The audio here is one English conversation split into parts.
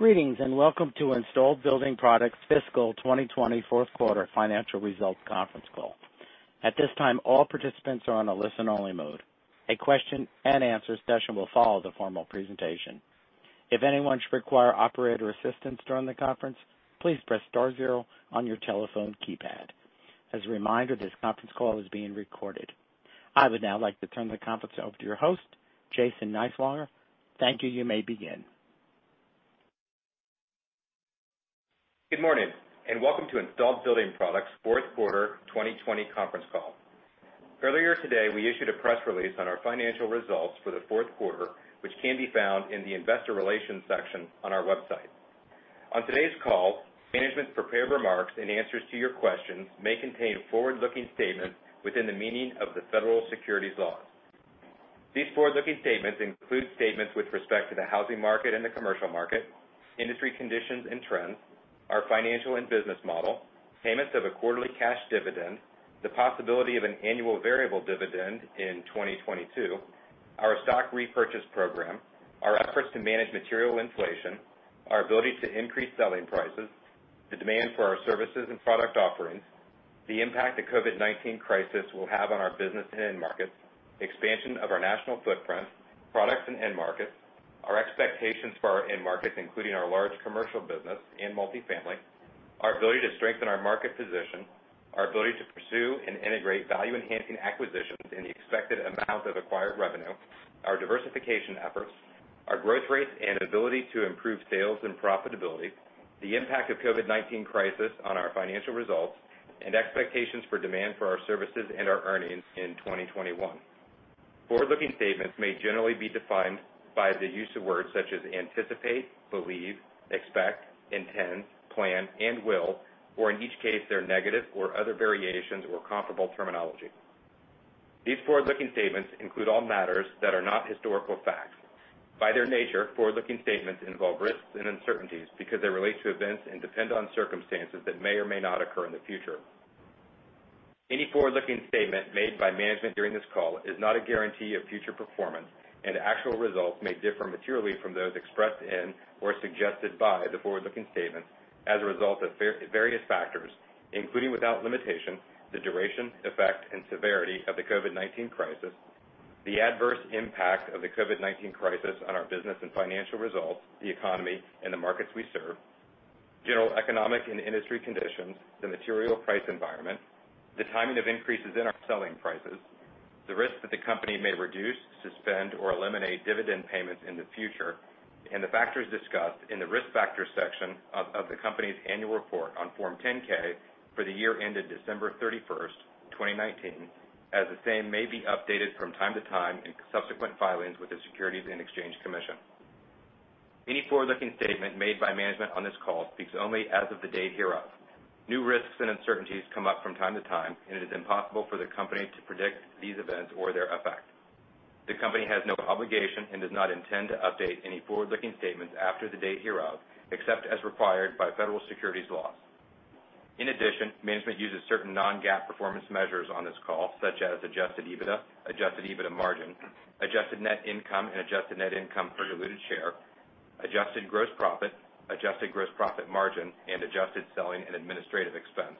Greetings, and welcome to Installed Building Products' Fiscal 2020 Fourth Quarter Financial Results Conference Call. At this time, all participants are on a listen-only mode. A question and answer session will follow the formal presentation. If anyone should require operator assistance during the conference, please press star zero on your telephone keypad. As a reminder, this conference call is being recorded. I would now like to turn the conference over to your host, Jason Niswonger. Thank you. You may begin. Good morning, and welcome to Installed Building Products' Fourth Quarter 2020 conference call. Earlier today, we issued a press release on our financial results for the fourth quarter, which can be found in the Investor Relations section on our website. On today's call, management-prepared remarks and answers to your questions may contain forward-looking statements within the meaning of the federal securities laws. These forward-looking statements include statements with respect to the housing market and the commercial market, industry conditions and trends, our financial and business model, payments of a quarterly cash dividend, the possibility of an annual variable dividend in 2022, our stock repurchase program, our efforts to manage material inflation, our ability to increase selling prices, the demand for our services and product offerings, the impact the COVID-19 crisis will have on our business and end markets, expansion of our national footprint, products and end markets, our expectations for our end markets, including our large commercial business and multifamily, our ability to strengthen our market position, our ability to pursue and integrate value-enhancing acquisitions and the expected amount of acquired revenue, our diversification efforts, our growth rates, and ability to improve sales and profitability, the impact of COVID-19 crisis on our financial results, and expectations for demand for our services and our earnings in 2021. Forward-looking statements may generally be defined by the use of words such as anticipate, believe, expect, intend, plan, and will, or in each case, their negative or other variations or comparable terminology. These forward-looking statements include all matters that are not historical facts. By their nature, forward-looking statements involve risks and uncertainties because they relate to events and depend on circumstances that may or may not occur in the future. Any forward-looking statement made by management during this call is not a guarantee of future performance, and actual results may differ materially from those expressed in or suggested by the forward-looking statements as a result of various factors, including, without limitation, the duration, effect, and severity of the COVID-19 crisis, the adverse impact of the COVID-19 crisis on our business and financial results, the economy, and the markets we serve, general economic and industry conditions, the material price environment, the timing of increases in our selling prices, the risk that the company may reduce, suspend, or eliminate dividend payments in the future, and the factors discussed in the Risk Factors section of the company's annual report on Form 10-K for the year ended December 31st, 2019, as the same may be updated from time to time in subsequent filings with the Securities and Exchange Commission. Any forward-looking statement made by management on this call speaks only as of the date hereof. New risks and uncertainties come up from time to time, and it is impossible for the company to predict these events or their effect. The company has no obligation and does not intend to update any forward-looking statements after the date hereof, except as required by federal securities laws. In addition, management uses certain non-GAAP performance measures on this call, such as Adjusted EBITDA, Adjusted EBITDA Margin, Adjusted Net Income and adjusted net income per diluted share, Adjusted Gross Profit, Adjusted Gross Profit Margin, and Adjusted Selling and Administrative Expense.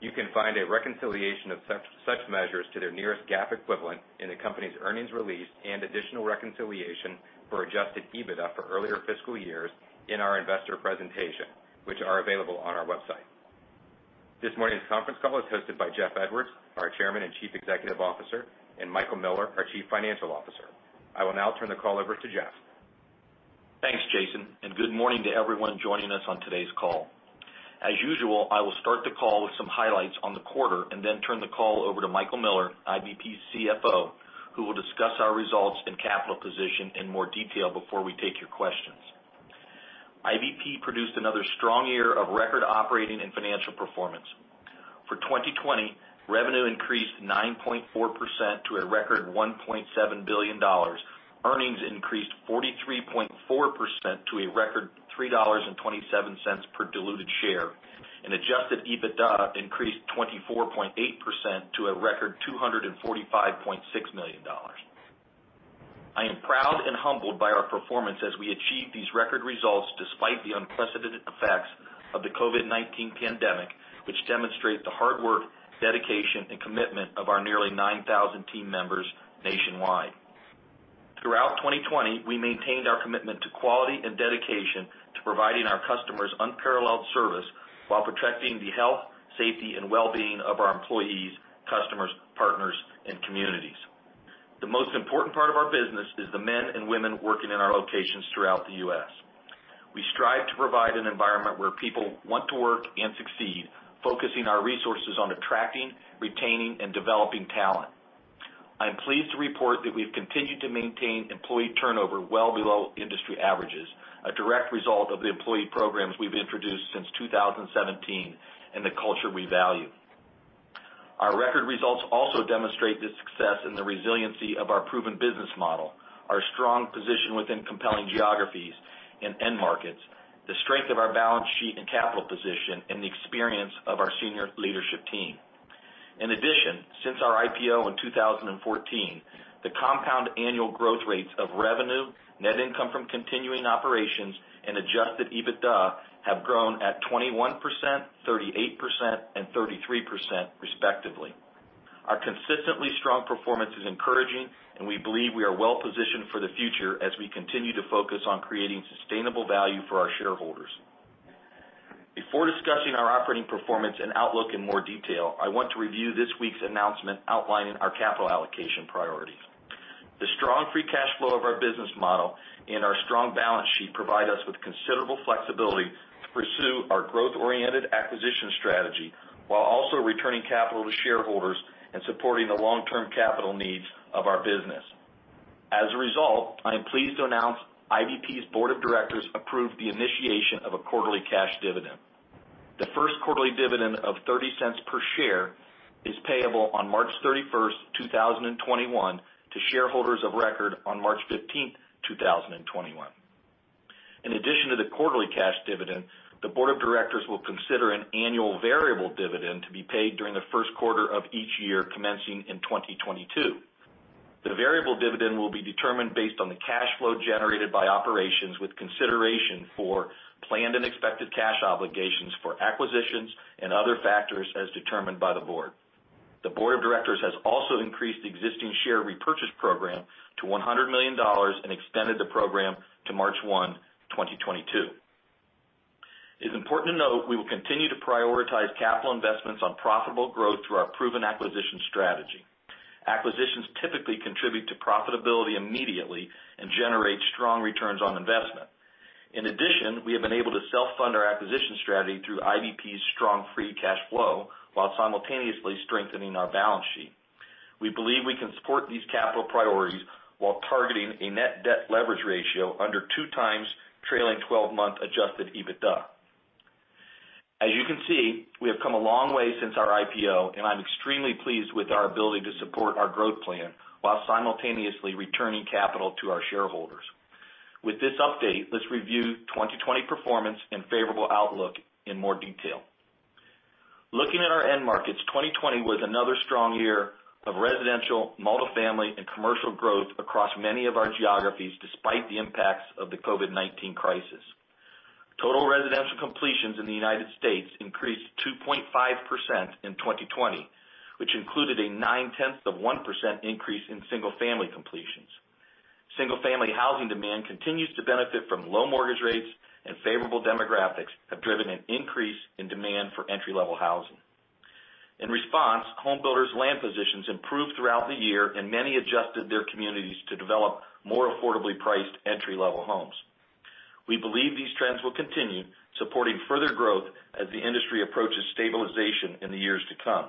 You can find a reconciliation of such measures to their nearest GAAP equivalent in the company's earnings release and additional reconciliation for Adjusted EBITDA for earlier fiscal years in our investor presentation, which are available on our website. This morning's conference call is hosted by Jeff Edwards, our Chairman and Chief Executive Officer, and Michael Miller, our Chief Financial Officer. I will now turn the call over to Jeff. Thanks, Jason, and good morning to everyone joining us on today's call. As usual, I will start the call with some highlights on the quarter and then turn the call over to Michael Miller, IBP's CFO, who will discuss our results and capital position in more detail before we take your questions. IBP produced another strong year of record operating and financial performance. For 2020, revenue increased 9.4% to a record $1.7 billion. Earnings increased 43.4% to a record $3.27 per diluted share, and adjusted EBITDA increased 24.8% to a record $245.6 million. I am proud and humbled by our performance as we achieved these record results despite the unprecedented effects of the COVID-19 pandemic, which demonstrate the hard work, dedication, and commitment of our nearly 9,000 team members nationwide. Throughout 2020, we maintained our commitment to quality and dedication to providing our customers unparalleled service while protecting the health, safety, and well-being of our employees, customers, partners, and communities. The most important part of our business is the men and women working in our locations throughout the U.S. We strive to provide an environment where people want to work and succeed, focusing our resources on attracting, retaining, and developing talent. I'm pleased to report that we've continued to maintain employee turnover well below industry averages, a direct result of the employee programs we've introduced since 2017 and the culture we value. Our record results also demonstrate the success and the resiliency of our proven business model, our strong position within compelling geographies and end markets, the strength of our balance sheet and capital position, and the experience of our senior leadership team. In addition, since our IPO in 2014, the compound annual growth rates of revenue, net income from continuing operations, and Adjusted EBITDA have grown at 21%, 38%, and 33% respectively. Our consistently strong performance is encouraging, and we believe we are well positioned for the future as we continue to focus on creating sustainable value for our shareholders. Before discussing our operating performance and outlook in more detail, I want to review this week's announcement outlining our capital allocation priorities. The strong free cash flow of our business model and our strong balance sheet provide us with considerable flexibility to pursue our growth-oriented acquisition strategy, while also returning capital to shareholders and supporting the long-term capital needs of our business. As a result, I am pleased to announce IBP's Board of Directors approved the initiation of a quarterly cash dividend. The first quarterly dividend of $0.30 per share is payable on March 31, 2021, to shareholders of record on March 15, 2021. In addition to the quarterly cash dividend, the Board of Directors will consider an annual variable dividend to be paid during the first quarter of each year, commencing in 2022. The variable dividend will be determined based on the cash flow generated by operations, with consideration for planned and expected cash obligations for acquisitions and other factors, as determined by the Board. The Board of Directors has also increased the existing share repurchase program to $100 million and extended the program to March 1, 2022. It's important to note, we will continue to prioritize capital investments on profitable growth through our proven acquisition strategy. Acquisitions typically contribute to profitability immediately and generate strong returns on investment. In addition, we have been able to self-fund our acquisition strategy through IBP's strong Free Cash Flow, while simultaneously strengthening our balance sheet. We believe we can support these capital priorities while targeting a Net Debt Leverage Ratio under 2x trailing 12-month Adjusted EBITDA. As you can see, we have come a long way since our IPO, and I'm extremely pleased with our ability to support our growth plan while simultaneously returning capital to our shareholders. With this update, let's review 2020 performance and favorable outlook in more detail. Looking at our end markets, 2020 was another strong year of residential, multifamily, and commercial growth across many of our geographies, despite the impacts of the COVID-19 crisis. Total residential completions in the United States increased 2.5% in 2020, which included a 0.9% increase in single-family completions. Single-family housing demand continues to benefit from low mortgage rates, and favorable demographics have driven an increase in demand for entry-level housing. In response, homebuilders' land positions improved throughout the year, and many adjusted their communities to develop more affordably priced entry-level homes. We believe these trends will continue, supporting further growth as the industry approaches stabilization in the years to come.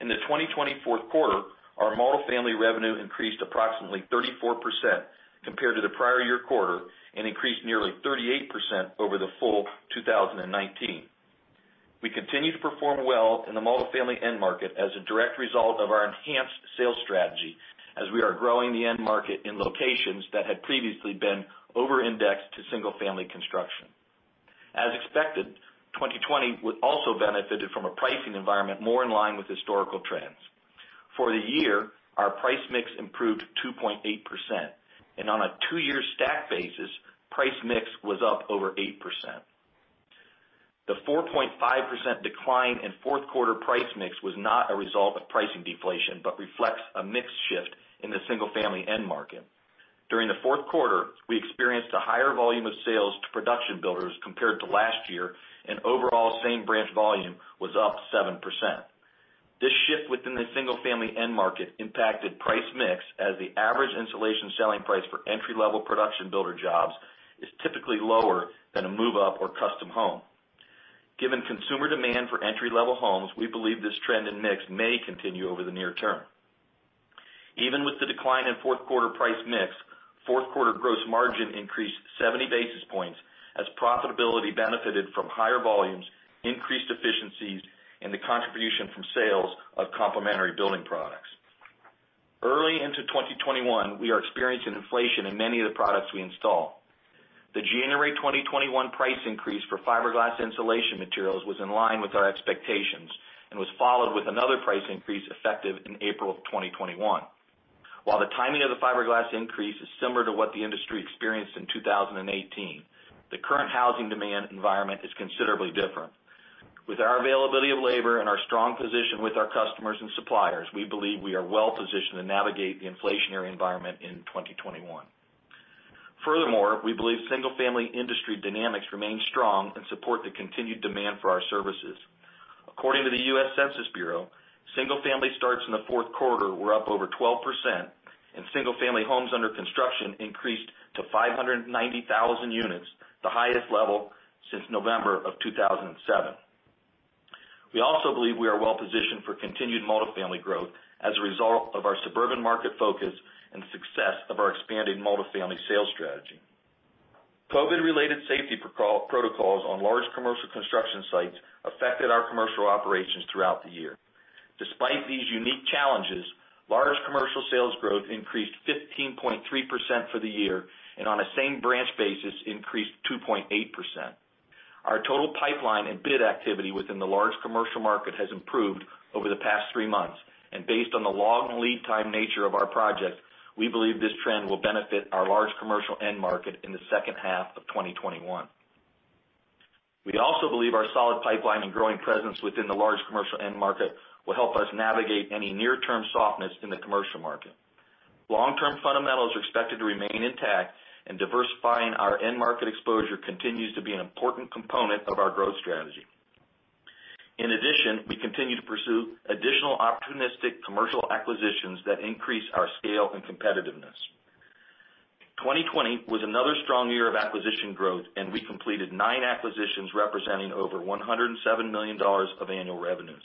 In the 2020 fourth quarter, our multifamily revenue increased approximately 34% compared to the prior year quarter and increased nearly 38% over the full 2019. We continue to perform well in the multifamily end market as a direct result of our enhanced sales strategy, as we are growing the end market in locations that had previously been over-indexed to single-family construction. As expected, 2020 also benefited from a pricing environment more in line with historical trends. For the year, our price mix improved 2.8%, and on a two-year stack basis, price mix was up over 8%. The 4.5% decline in fourth quarter price mix was not a result of pricing deflation, but reflects a mix shift in the single-family end market. During the fourth quarter, we experienced a higher volume of sales to production builders compared to last year, and overall, same-branch volume was up 7%. This shift within the single-family end market impacted price mix, as the average insulation selling price for entry-level production builder jobs is typically lower than a move-up or custom home. Given consumer demand for entry-level homes, we believe this trend in mix may continue over the near term. Even with the decline in fourth quarter price mix, fourth quarter gross margin increased 70 basis points, as profitability benefited from higher volumes, increased efficiencies, and the contribution from sales of complementary building products. Early into 2021, we are experiencing inflation in many of the products we install. The January 2021 price increase for fiberglass insulation materials was in line with our expectations and was followed with another price increase effective in April of 2021. While the timing of the fiberglass increase is similar to what the industry experienced in 2018, the current housing demand environment is considerably different. With our availability of labor and our strong position with our customers and suppliers, we believe we are well positioned to navigate the inflationary environment in 2021. Furthermore, we believe single-family industry dynamics remain strong and support the continued demand for our services. According to the U.S. Census Bureau, single-family starts in the fourth quarter were up over 12%, and single-family homes under construction increased to 590,000 units, the highest level since November of 2007. We also believe we are well positioned for continued multifamily growth as a result of our suburban market focus and success of our expanding multifamily sales strategy. COVID-related safety protocols on large commercial construction sites affected our commercial operations throughout the year. Despite these unique challenges, large commercial sales growth increased 15.3% for the year, and on a same branch basis, increased 2.8%. Our total pipeline and bid activity within the large commercial market has improved over the past three months. Based on the long lead time nature of our projects, we believe this trend will benefit our large commercial end market in the second half of 2021. We also believe our solid pipeline and growing presence within the large commercial end market will help us navigate any near-term softness in the commercial market. Long-term fundamentals are expected to remain intact, and diversifying our end market exposure continues to be an important component of our growth strategy. In addition, we continue to pursue additional opportunistic commercial acquisitions that increase our scale and competitiveness. 2020 was another strong year of acquisition growth, and we completed nine acquisitions, representing over $107 million of annual revenues.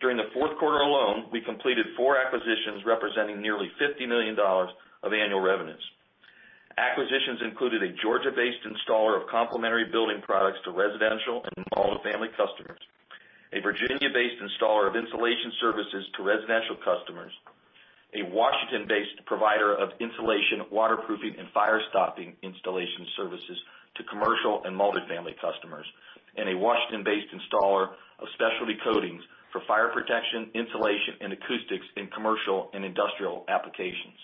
During the fourth quarter alone, we completed four acquisitions, representing nearly $50 million of annual revenues. Acquisitions included a Georgia-based installer of complementary building products to residential and multifamily customers, a Virginia-based installer of insulation services to residential customers, a Washington-based provider of insulation, waterproofing, and fire-stopping installation services to commercial and multifamily customers, and a Washington-based installer of specialty coatings for fire protection, insulation, and acoustics in commercial and industrial applications.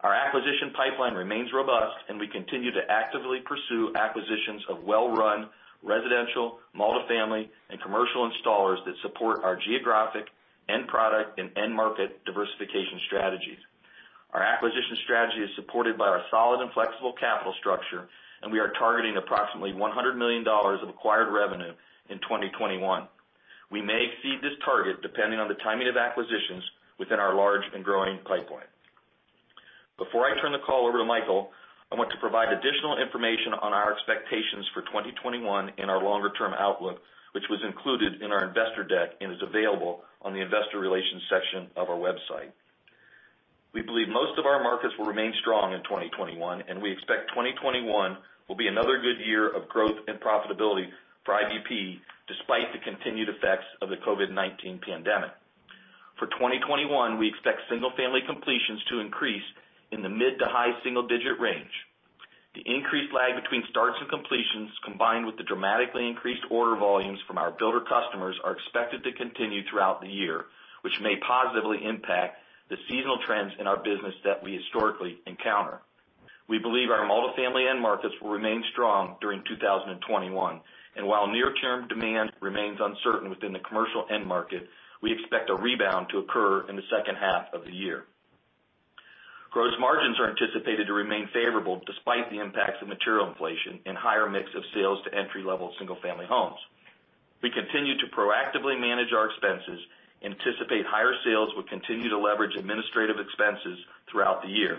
Our acquisition pipeline remains robust, and we continue to actively pursue acquisitions of well-run residential, multifamily, and commercial installers that support our geographic, end product, and end market diversification strategies. Our acquisition strategy is supported by our solid and flexible capital structure, and we are targeting approximately $100 million of acquired revenue in 2021. We may exceed this target, depending on the timing of acquisitions within our large and growing pipeline. Before I turn the call over to Michael, I want to provide additional information on our expectations for 2021 and our longer-term outlook, which was included in our investor deck and is available on the investor relations section of our website. We believe most of our markets will remain strong in 2021, and we expect 2021 will be another good year of growth and profitability for IBP, despite the continued effects of the COVID-19 pandemic. For 2021, we expect single-family completions to increase in the mid- to high single-digit range. The increased lag between starts and completions, combined with the dramatically increased order volumes from our builder customers, are expected to continue throughout the year, which may positively impact the seasonal trends in our business that we historically encounter. We believe our multifamily end markets will remain strong during 2021, and while near-term demand remains uncertain within the commercial end market, we expect a rebound to occur in the second half of the year. Gross margins are anticipated to remain favorable, despite the impacts of material inflation and higher mix of sales to entry-level single-family homes. We continue to proactively manage our expenses and anticipate higher sales will continue to leverage administrative expenses throughout the year.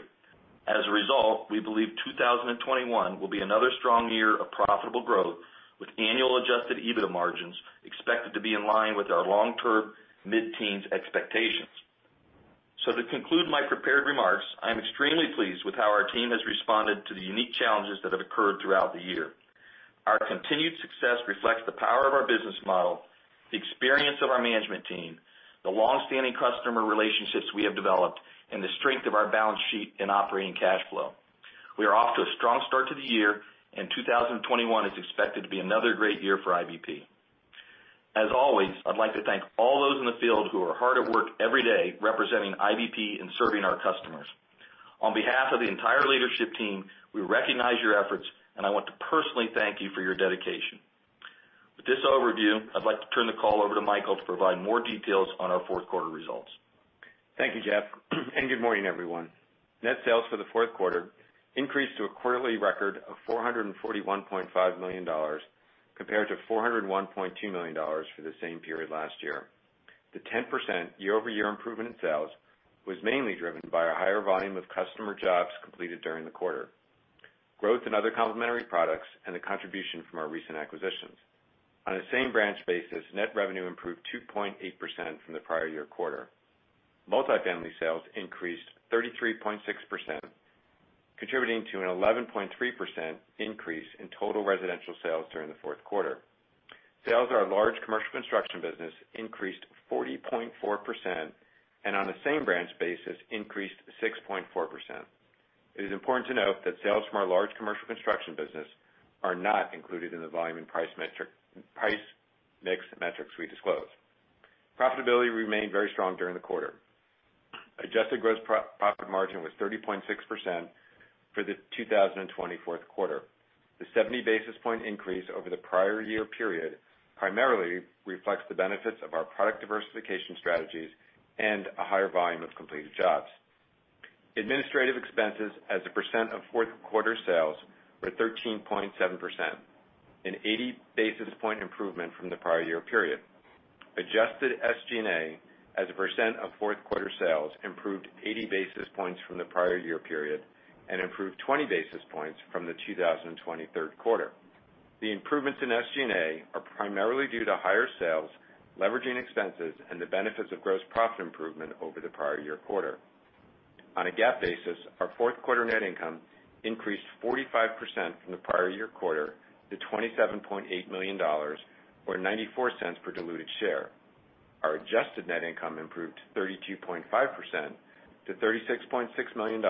As a result, we believe 2021 will be another strong year of profitable growth, with annual Adjusted EBITDA margins expected to be in line with our long-term mid-teens expectations. To conclude my prepared remarks, I'm extremely pleased with how our team has responded to the unique challenges that have occurred throughout the year. Our continued success reflects the power of our business model, the experience of our management team, the long-standing customer relationships we have developed, and the strength of our balance sheet and operating cash flow. We are off to a strong start to the year, and 2021 is expected to be another great year for IBP. As always, I'd like to thank all those in the field who are hard at work every day representing IBP and serving our customers. On behalf of the entire leadership team, we recognize your efforts, and I want to personally thank you for your dedication. With this overview, I'd like to turn the call over to Michael to provide more details on our fourth quarter results. Thank you, Jeff, and good morning, everyone. Net sales for the fourth quarter increased to a quarterly record of $441.5 million, compared to $401.2 million for the same period last year. The 10% year-over-year improvement in sales was mainly driven by a higher volume of customer jobs completed during the quarter, growth in other complementary products, and the contribution from our recent acquisitions. On a same branch basis, net revenue improved 2.8% from the prior year quarter. Multifamily sales increased 33.6%, contributing to an 11.3% increase in total residential sales during the fourth quarter. Sales of our large commercial construction business increased 40.4%, and on a same branch basis, increased 6.4%. It is important to note that sales from our large commercial construction business are not included in the volume and price mix metrics we disclose. Profitability remained very strong during the quarter. Adjusted gross profit margin was 30.6% for the 2020 fourth quarter. The 70 basis point increase over the prior year period primarily reflects the benefits of our product diversification strategies and a higher volume of completed jobs. Administrative expenses as a percent of fourth quarter sales were 13.7%, an 80 basis point improvement from the prior year period. Adjusted SG&A, as a percent of fourth quarter sales, improved 80 basis points from the prior year period and improved 20 basis points from the 2020 third quarter. The improvements in SG&A are primarily due to higher sales, leveraging expenses, and the benefits of gross profit improvement over the prior year quarter. On a GAAP basis, our fourth quarter net income increased 45% from the prior year quarter to $27.8 million, or $0.94 per diluted share. Our adjusted net income improved 32.5% to $36.6 million,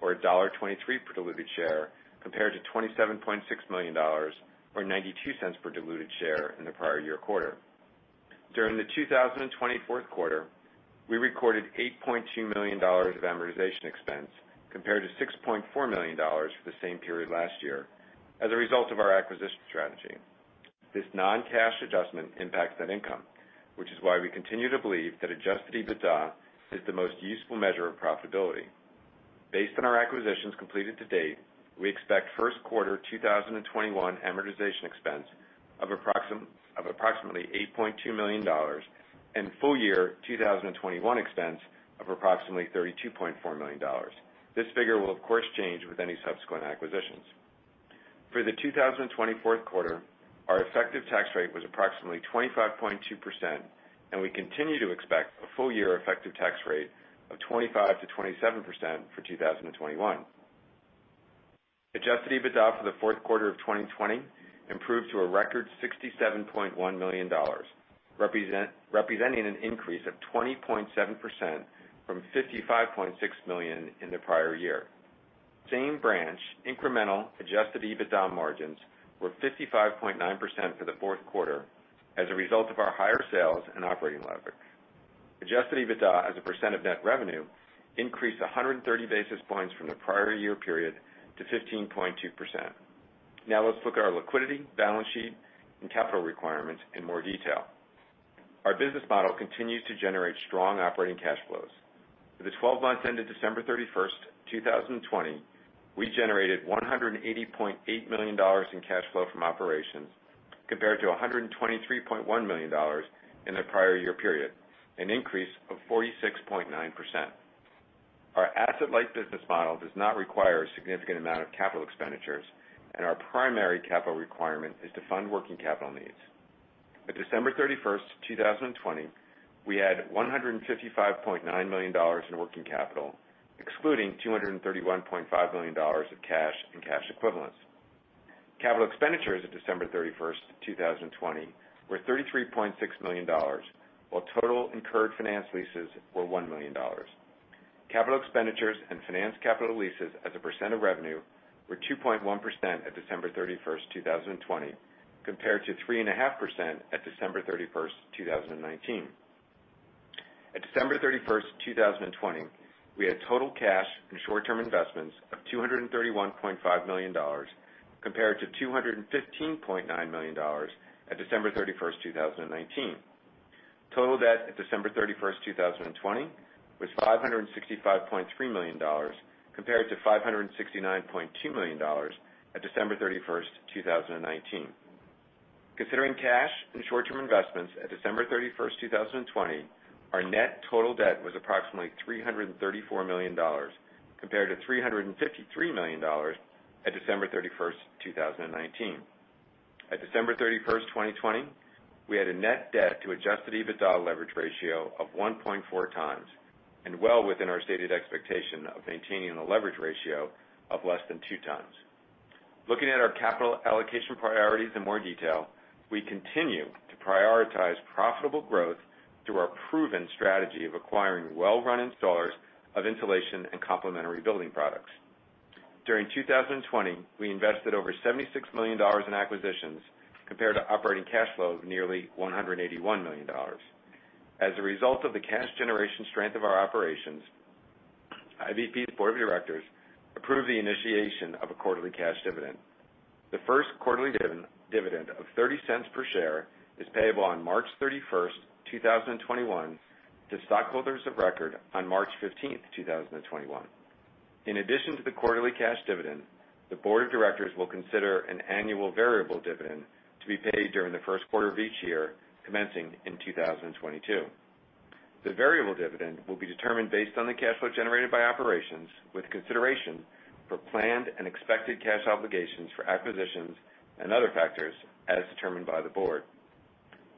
or $1.23 per diluted share, compared to $27.6 million, or $0.92 per diluted share in the prior year quarter. During the 2020 fourth quarter, we recorded $8.2 million of amortization expense, compared to $6.4 million for the same period last year, as a result of our acquisition strategy. This non-cash adjustment impacts net income, which is why we continue to believe that Adjusted EBITDA is the most useful measure of profitability. Based on our acquisitions completed to date, we expect first quarter 2021 amortization expense of approximately $8.2 million and full year 2021 expense of approximately $32.4 million. This figure will, of course, change with any subsequent acquisitions. For the 2020 fourth quarter, our effective tax rate was approximately 25.2%, and we continue to expect a full-year effective tax rate of 25%-27% for 2021. Adjusted EBITDA for the fourth quarter of 2020 improved to a record $67.1 million, representing an increase of 20.7% from $55.6 million in the prior year. Same-Branch incremental Adjusted EBITDA margins were 55.9% for the fourth quarter as a result of our higher sales and operating leverage. Adjusted EBITDA, as a percent of net revenue, increased 130 basis points from the prior year period to 15.2%. Now let's look at our liquidity, balance sheet, and capital requirements in more detail. Our business model continues to generate strong operating cash flows. For the twelve months ended December 31, 2020, we generated $180.8 million in cash flow from operations, compared to $123.1 million in the prior year period, an increase of 46.9%. Our asset-light business model does not require a significant amount of capital expenditures, and our primary capital requirement is to fund working capital needs. At December 31st, 2020, we had $155.9 million in working capital, excluding $231.5 million of cash and cash equivalents. Capital expenditures at December 31, 2020, were $33.6 million, while total incurred finance leases were $1 million. Capital expenditures and finance capital leases as a percent of revenue were 2.1% at December 31st, 2020, compared to 3.5% at December 31st, 2019. At December 31st, 2020, we had total cash and short-term investments of $231.5 million, compared to $215.9 million at December 31st, 2019. Total debt at December 31st, 2020, was $565.3 million, compared to $569.2 million at December 31st, 2019. Considering cash and short-term investments at December 31st, 2020, our net total debt was approximately $334 million, compared to $353 million at December 31st, 2019. At December 31st, 2020, we had a net debt to Adjusted EBITDA leverage ratio of 1.4x, and well within our stated expectation of maintaining a leverage ratio of less than 2x. Looking at our capital allocation priorities in more detail, we continue to prioritize profitable growth through our proven strategy of acquiring well-run installers of insulation and complementary building products. During 2020, we invested over $76 million in acquisitions compared to operating cash flow of nearly $181 million. As a result of the cash generation strength of our operations, IBP's board of directors approved the initiation of a quarterly cash dividend. The first quarterly dividend of $0.30 per share is payable on March 31st, 2021, to stockholders of record on March 15th, 2021. In addition to the quarterly cash dividend, the board of directors will consider an annual variable dividend to be paid during the first quarter of each year, commencing in 2022. The variable dividend will be determined based on the cash flow generated by operations, with consideration for planned and expected cash obligations for acquisitions and other factors, as determined by the board.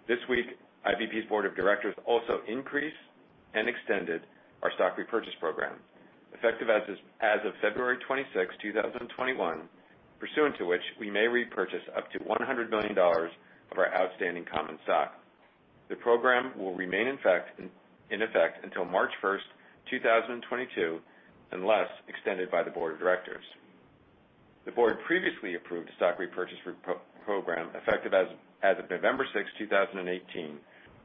This week, IBP's board of directors also increased and extended our stock repurchase program, effective as of February 26th, 2021, pursuant to which we may repurchase up to $100 million of our outstanding common stock. The program will remain in effect until March 1st, 2022, unless extended by the board of directors. The board previously approved a stock repurchase program effective as of November 6th, 2018,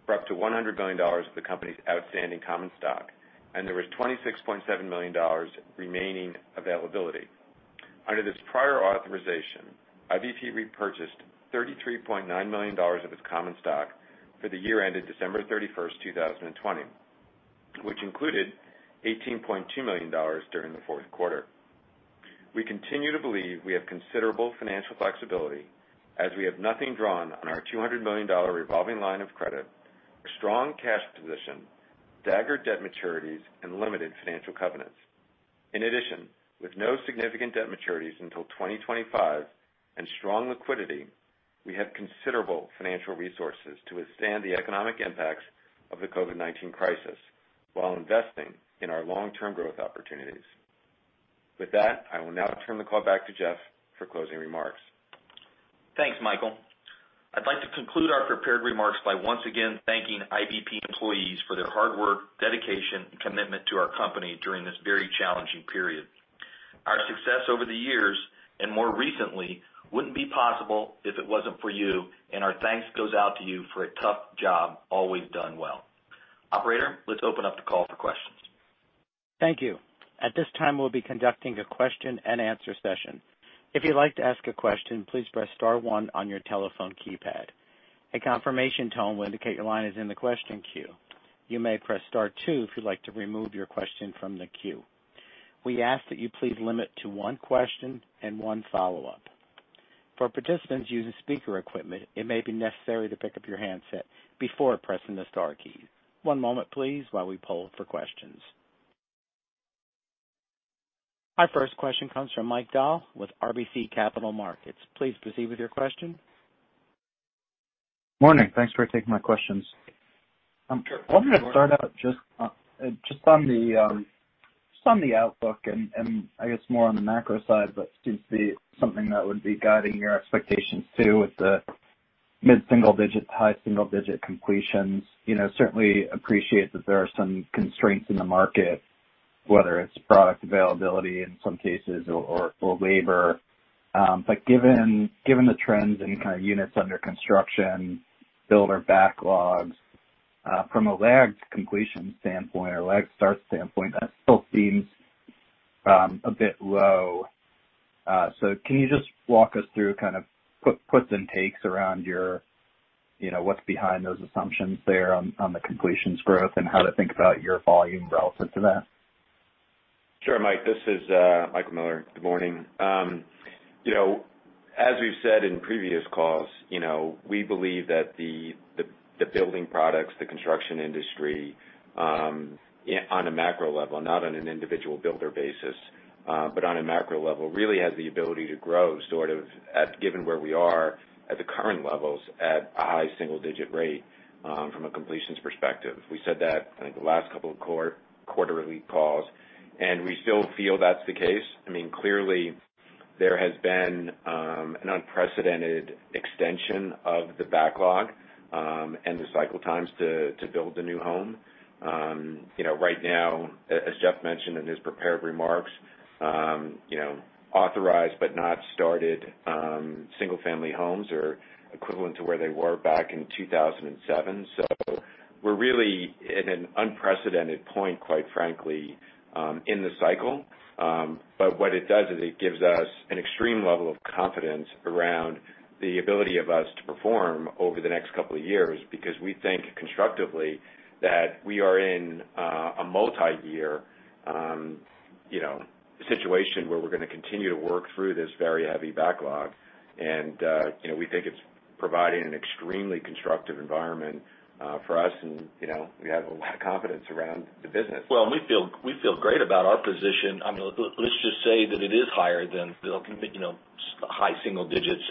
for up to $100 million of the company's outstanding common stock, and there was $26.7 million remaining availability. Under this prior authorization, IBP repurchased $33.9 million of its common stock for the year ended December 31st, 2020, which included $18.2 million during the fourth quarter. We continue to believe we have considerable financial flexibility as we have nothing drawn on our $200 million revolving line of credit, a strong cash position, staggered debt maturities, and limited financial covenants. In addition, with no significant debt maturities until 2025 and strong liquidity, we have considerable financial resources to withstand the economic impacts of the COVID-19 crisis, while investing in our long-term growth opportunities. With that, I will now turn the call back to Jeff for closing remarks. Thanks, Michael. I'd like to conclude our prepared remarks by once again thanking IBP employees for their hard work, dedication, and commitment to our company during this very challenging period. Our success over the years, and more recently, wouldn't be possible if it wasn't for you, and our thanks goes out to you for a tough job always done well. Operator, let's open up the call for questions. Thank you. At this time, we'll be conducting a question-and-answer session. If you'd like to ask a question, please press star one on your telephone keypad. A confirmation tone will indicate your line is in the question queue. You may press star two if you'd like to remove your question from the queue. We ask that you please limit to one question and one follow-up. For participants using speaker equipment, it may be necessary to pick up your handset before pressing the star keys. One moment please, while we poll for questions. Our first question comes from Mike Dahl with RBC Capital Markets. Please proceed with your question. Morning. Thanks for taking my questions. I'm gonna start out just on the outlook and, and I guess more on the macro side, but seems to be something that would be guiding your expectations too, with the mid-single-digit, high single-digit completions. You know, certainly appreciate that there are some constraints in the market, whether it's product availability in some cases or labor. But given the trends in kind of units under construction, builder backlogs, from a lagged completion standpoint or a lagged start standpoint, that still seems a bit low. So can you just walk us through, kind of puts and takes around your, you know, what's behind those assumptions there on the completions growth and how to think about your volume relative to that? Sure, Mike. This is, Michael Miller. Good morning. You know, as we've said in previous calls, you know, we believe that the building products, the construction industry, on a macro level, not on an individual builder basis, but on a macro level, really has the ability to grow sort of given where we are at the current levels, at a high single-digit rate, from a completions perspective. We said that I think the last couple of quarterly calls, and we still feel that's the case. I mean, clearly, there has been an unprecedented extension of the backlog, and the cycle times to build a new home. You know, right now, as Jeff mentioned in his prepared remarks, you know, authorized but not started, single-family homes are equivalent to where they were back in 2007. So we're really at an unprecedented point, quite frankly, in the cycle. But what it does is it gives us an extreme level of confidence around the ability of us to perform over the next couple of years, because we think constructively that we are in a multi-year, you know, situation where we're gonna continue to work through this very heavy backlog. And, you know, we think it's providing an extremely constructive environment for us, and, you know, we have a lot of confidence around the business. Well, we feel, we feel great about our position. I mean, let's just say that it is higher than, you know, high single digits.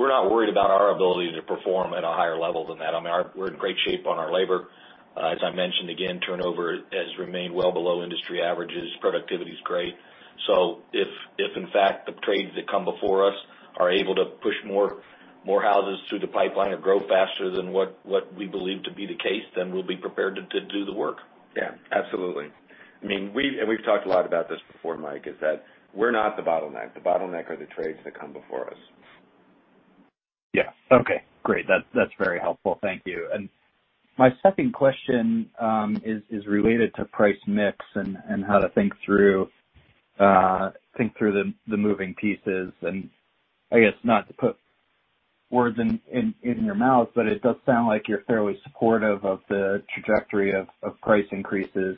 We're not worried about our ability to perform at a higher level than that. I mean, we're in great shape on our labor. As I mentioned, again, turnover has remained well below industry averages. Productivity is great. So if in fact, the trades that come before us are able to push more houses through the pipeline or grow faster than what we believe to be the case, then we'll be prepared to do the work. Yeah, absolutely. I mean, we've talked a lot about this before, Mike, is that we're not the bottleneck. The bottleneck are the trades that come before us. Yeah. Okay, great. That's very helpful. Thank you. And my second question is related to price mix and how to think through the moving pieces. And I guess not to put words in your mouth, but it does sound like you're fairly supportive of the trajectory of price increases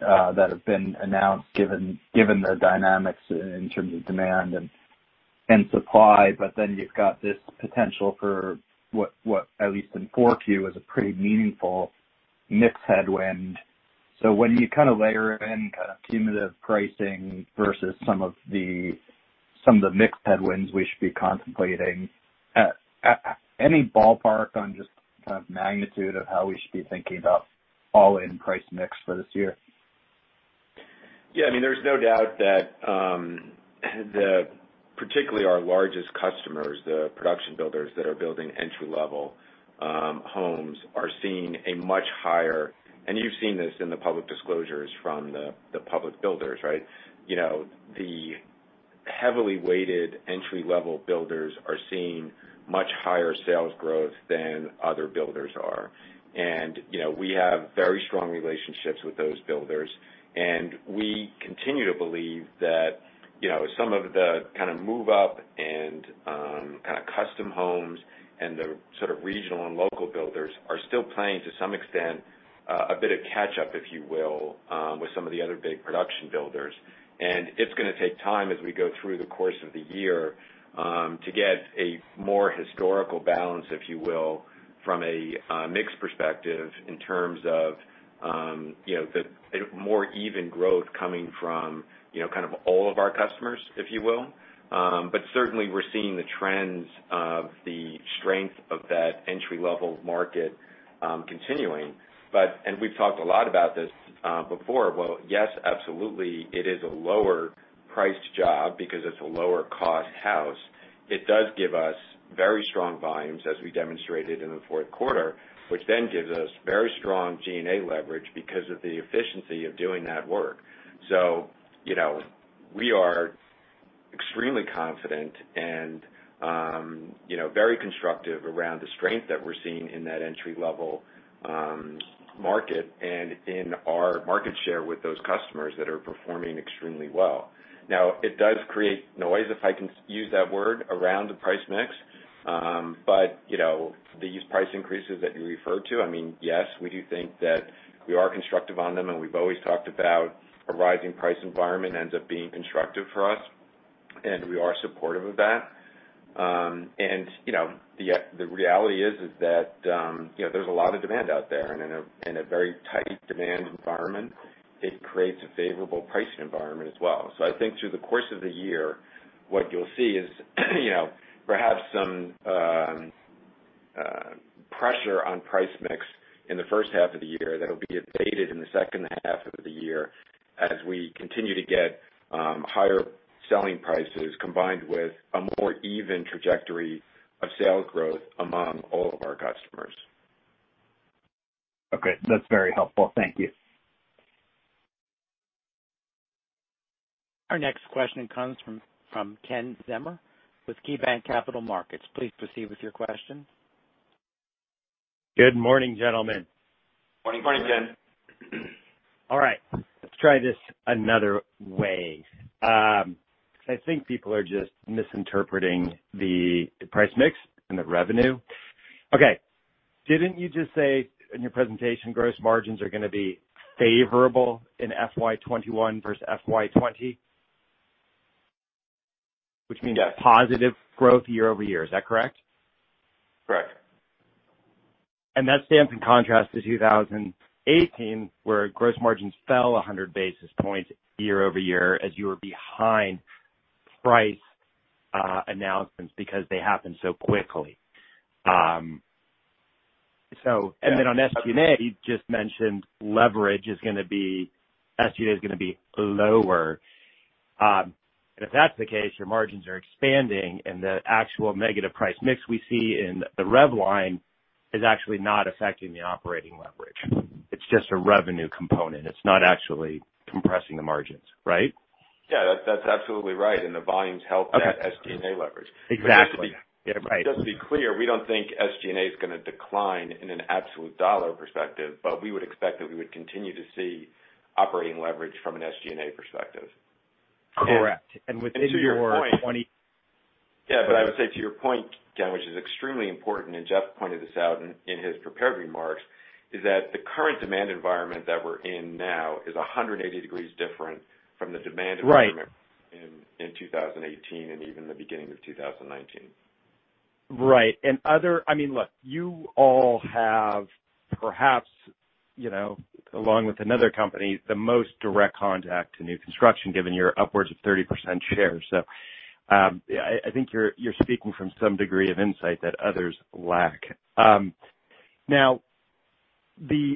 that have been announced, given the dynamics in terms of demand and supply. But then you've got this potential for what, at least in forecast, is a pretty meaningful mix headwind. So when you kind of layer in kind of cumulative pricing versus some of the mix headwinds we should be contemplating, any ballpark on just kind of magnitude of how we should be thinking about all-in price mix for this year? Yeah, I mean, there's no doubt that particularly our largest customers, the production builders that are building entry-level homes, are seeing a much higher, and you've seen this in the public disclosures from the public builders, right? You know, the heavily weighted entry-level builders are seeing much higher sales growth than other builders are. And, you know, we have very strong relationships with those builders, and we continue to believe that, you know, some of the kind of move up and kind of custom homes and the sort of regional and local builders are still playing, to some extent, a bit of catch up, if you will, with some of the other big production builders. and it's gonna take time as we go through the course of the year, to get a more historical balance, if you will, from a mix perspective in terms of, you know, the, a more even growth coming from, you know, kind of all of our customers, if you will. But certainly we're seeing the trends of the strength of that entry-level market, continuing. But and we've talked a lot about this before. Well, yes, absolutely, it is a lower priced job because it's a lower cost house. It does give us very strong volumes, as we demonstrated in the fourth quarter, which then gives us very strong G&A leverage because of the efficiency of doing that work. So, you know, we are extremely confident and, you know, very constructive around the strength that we're seeing in that entry-level market and in our market share with those customers that are performing extremely well. Now, it does create noise, if I can use that word, around the price mix. But, you know, these price increases that you referred to, I mean, yes, we do think that we are constructive on them, and we've always talked about a rising price environment ends up being constructive for us, and we are supportive of that. And, you know, the reality is that, you know, there's a lot of demand out there, and in a very tight demand environment, it creates a favorable pricing environment as well. So I think through the course of the year, what you'll see is, you know, perhaps some pressure on price mix in the first half of the year that'll be abated in the second half of the year as we continue to get higher selling prices, combined with a more even trajectory of sales growth among all of our customers. Okay. That's very helpful. Thank you. Our next question comes from Ken Zener with KeyBanc Capital Markets. Please proceed with your question. Good morning, gentlemen. Morning, Ken. All right, let's try this another way. I think people are just misinterpreting the price mix and the revenue. Okay, didn't you just say in your presentation, gross margins are gonna be favorable in FY 2021 versus FY 2020? Which means- Yes positive growth year-over-year. Is that correct? Correct. That stands in contrast to 2018, where gross margins fell 100 basis points year-over-year as you were behind price announcements because they happened so quickly. Yes. And then on SG&A, you just mentioned leverage is gonna be, SG&A is gonna be lower. And if that's the case, your margins are expanding, and the actual negative price mix we see in the rev line is actually not affecting the operating leverage. It's just a revenue component. It's not actually compressing the margins, right? Yeah, that's absolutely right. And the volumes help Okay that SG&A leverage. Exactly. Yeah, right. Just to be clear, we don't think SG&A is gonna decline in an absolute dollar perspective, but we would expect that we would continue to see operating leverage from an SG&A perspective. Correct. And within your 20 Yeah, but I would say to your point, Ken, which is extremely important, and Jeff pointed this out in his prepared remarks, is that the current demand environment that we're in now is 180 degrees different from the demand environment- Right in 2018 and even the beginning of 2019. Right. I mean, look, you all have perhaps, you know, along with another company, the most direct contact to new construction, given your upwards of 30% share. So, I think you're speaking from some degree of insight that others lack. Now, the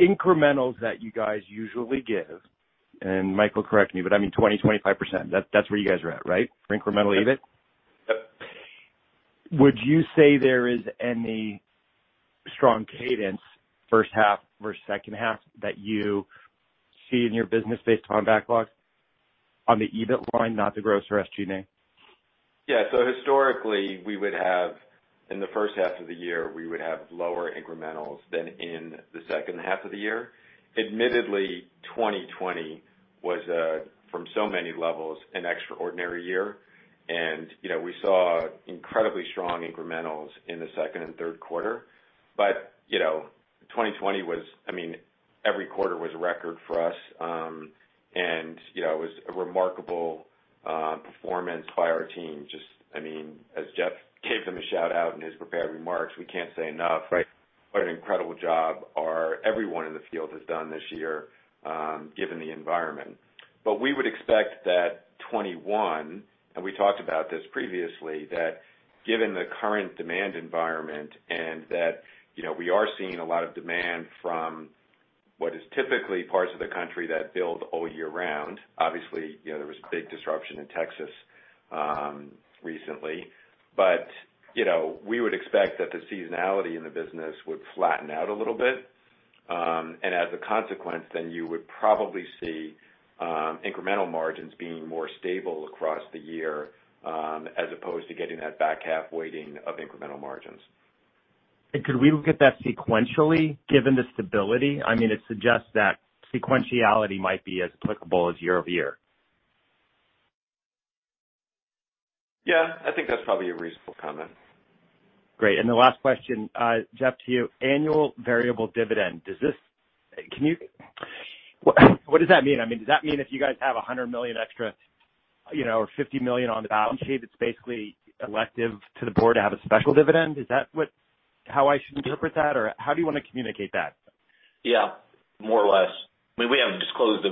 incrementals that you guys usually give, and Michael, correct me, but I mean, 20-25%. That's where you guys are at, right? For incremental EBIT? Yep. Would you say there is any strong cadence, first half versus second half, that you see in your business based on backlog, on the EBIT line, not the gross or SG&A? Yeah. So historically, we would have in the first half of the year, we would have lower incrementals than in the second half of the year. Admittedly, 2020 was from so many levels, an extraordinary year. And, you know, we saw incredibly strong incrementals in the second and third quarter. But, you know, 2020 was. I mean, every quarter was a record for us. And, you know, it was a remarkable performance by our team. Just, I mean, as Jeff gave them a shout-out in his prepared remarks, we can't say enough Right What an incredible job our everyone in the field has done this year, given the environment. But we would expect that 2021, and we talked about this previously, that given the current demand environment and that, you know, we are seeing a lot of demand from what is typically parts of the country that build all year round. Obviously, you know, there was a big disruption in Texas, recently, but, you know, we would expect that the seasonality in the business would flatten out a little bit. And as a consequence, then you would probably see, incremental margins being more stable across the year, as opposed to getting that back half weighting of incremental margins. Could we look at that sequentially, given the stability? I mean, it suggests that sequentiality might be as applicable as year-over-year. Yeah, I think that's probably a reasonable comment. Great. And the last question, Jeff, to you. Annual Variable Dividend, does this mean? What does that mean? I mean, does that mean if you guys have $100 million extra, you know, or $50 million on the balance sheet, it's basically elective to the board to have a special dividend? Is that what, how I should interpret that? Or how do you want to communicate that? Yeah, more or less. I mean, we haven't disclosed,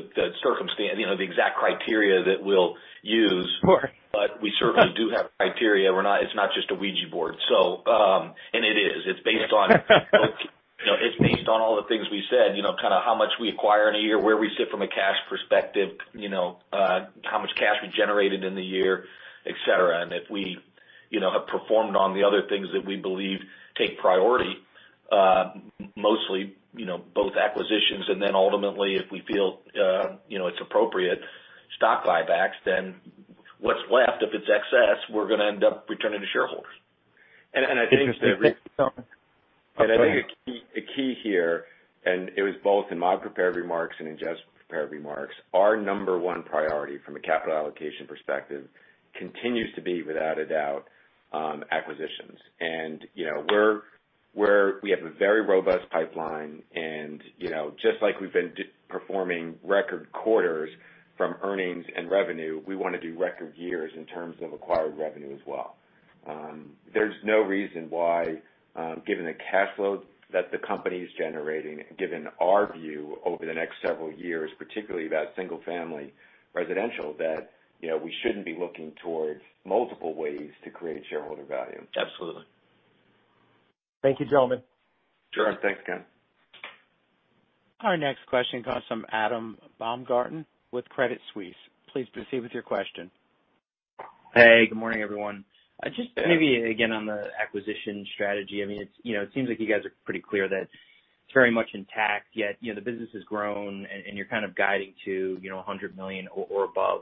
you know, the exact criteria that we'll use. Sure. But we certainly do have criteria. We're not. It's not just a Ouija board. So, and it is. It's based on, you know, it's based on all the things we said, you know, kind of how much we acquire in a year, where we sit from a cash perspective, you know, how much cash we generated in the year, et cetera. And if we, you know, have performed on the other things that we believe take priority, mostly, you know, both acquisitions and then ultimately, if we feel, you know, it's appropriate, stock buybacks, then what's left, if it's excess, we're going to end up returning to shareholders. And, and I think I think the key, the key here, and it was both in my prepared remarks and in Jeff's prepared remarks, our number one priority from a capital allocation perspective continues to be, without a doubt, acquisitions. You know, we have a very robust pipeline, and, you know, just like we've been performing record quarters from earnings and revenue, we want to do record years in terms of acquired revenue as well. There's no reason why, given the cash flow that the company is generating, given our view over the next several years, particularly about single-family residential, that, you know, we shouldn't be looking towards multiple ways to create shareholder value. Absolutely. Thank you, gentlemen. Sure. Thanks, Ken. Our next question comes from Adam Baumgarten with Credit Suisse. Please proceed with your question. Hey, good morning, everyone. Just maybe again, on the acquisition strategy. I mean, it's, you know, it seems like you guys are pretty clear that it's very much intact, yet, you know, the business has grown and you're kind of guiding to, you know, $100 million or above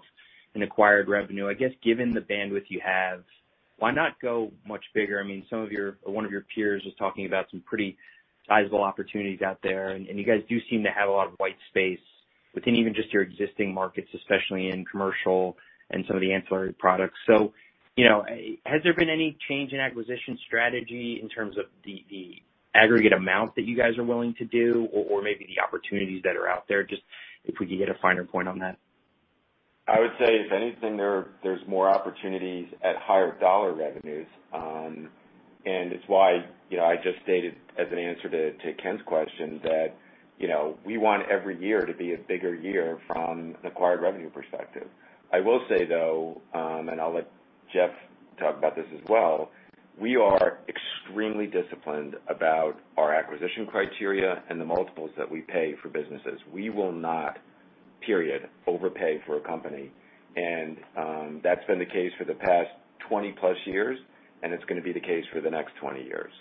in acquired revenue. I guess, given the bandwidth you have, why not go much bigger? I mean, some of your or one of your peers was talking about some pretty sizable opportunities out there, and you guys do seem to have a lot of white space within even just your existing markets, especially in commercial and some of the ancillary products. So, you know, has there been any change in acquisition strategy in terms of the aggregate amount that you guys are willing to do, or maybe the opportunities that are out there? Just if we could get a finer point on that. I would say, if anything, there's more opportunities at higher dollar revenues. And it's why, you know, I just stated as an answer to Ken's question that, you know, we want every year to be a bigger year from an acquired revenue perspective. I will say, though, and I'll let Jeff talk about this as well, we are extremely disciplined about our acquisition criteria and the multiples that we pay for businesses. We will not, period, overpay for a company. And that's been the case for the past 20+ years, and it's going to be the case for the next 20 years.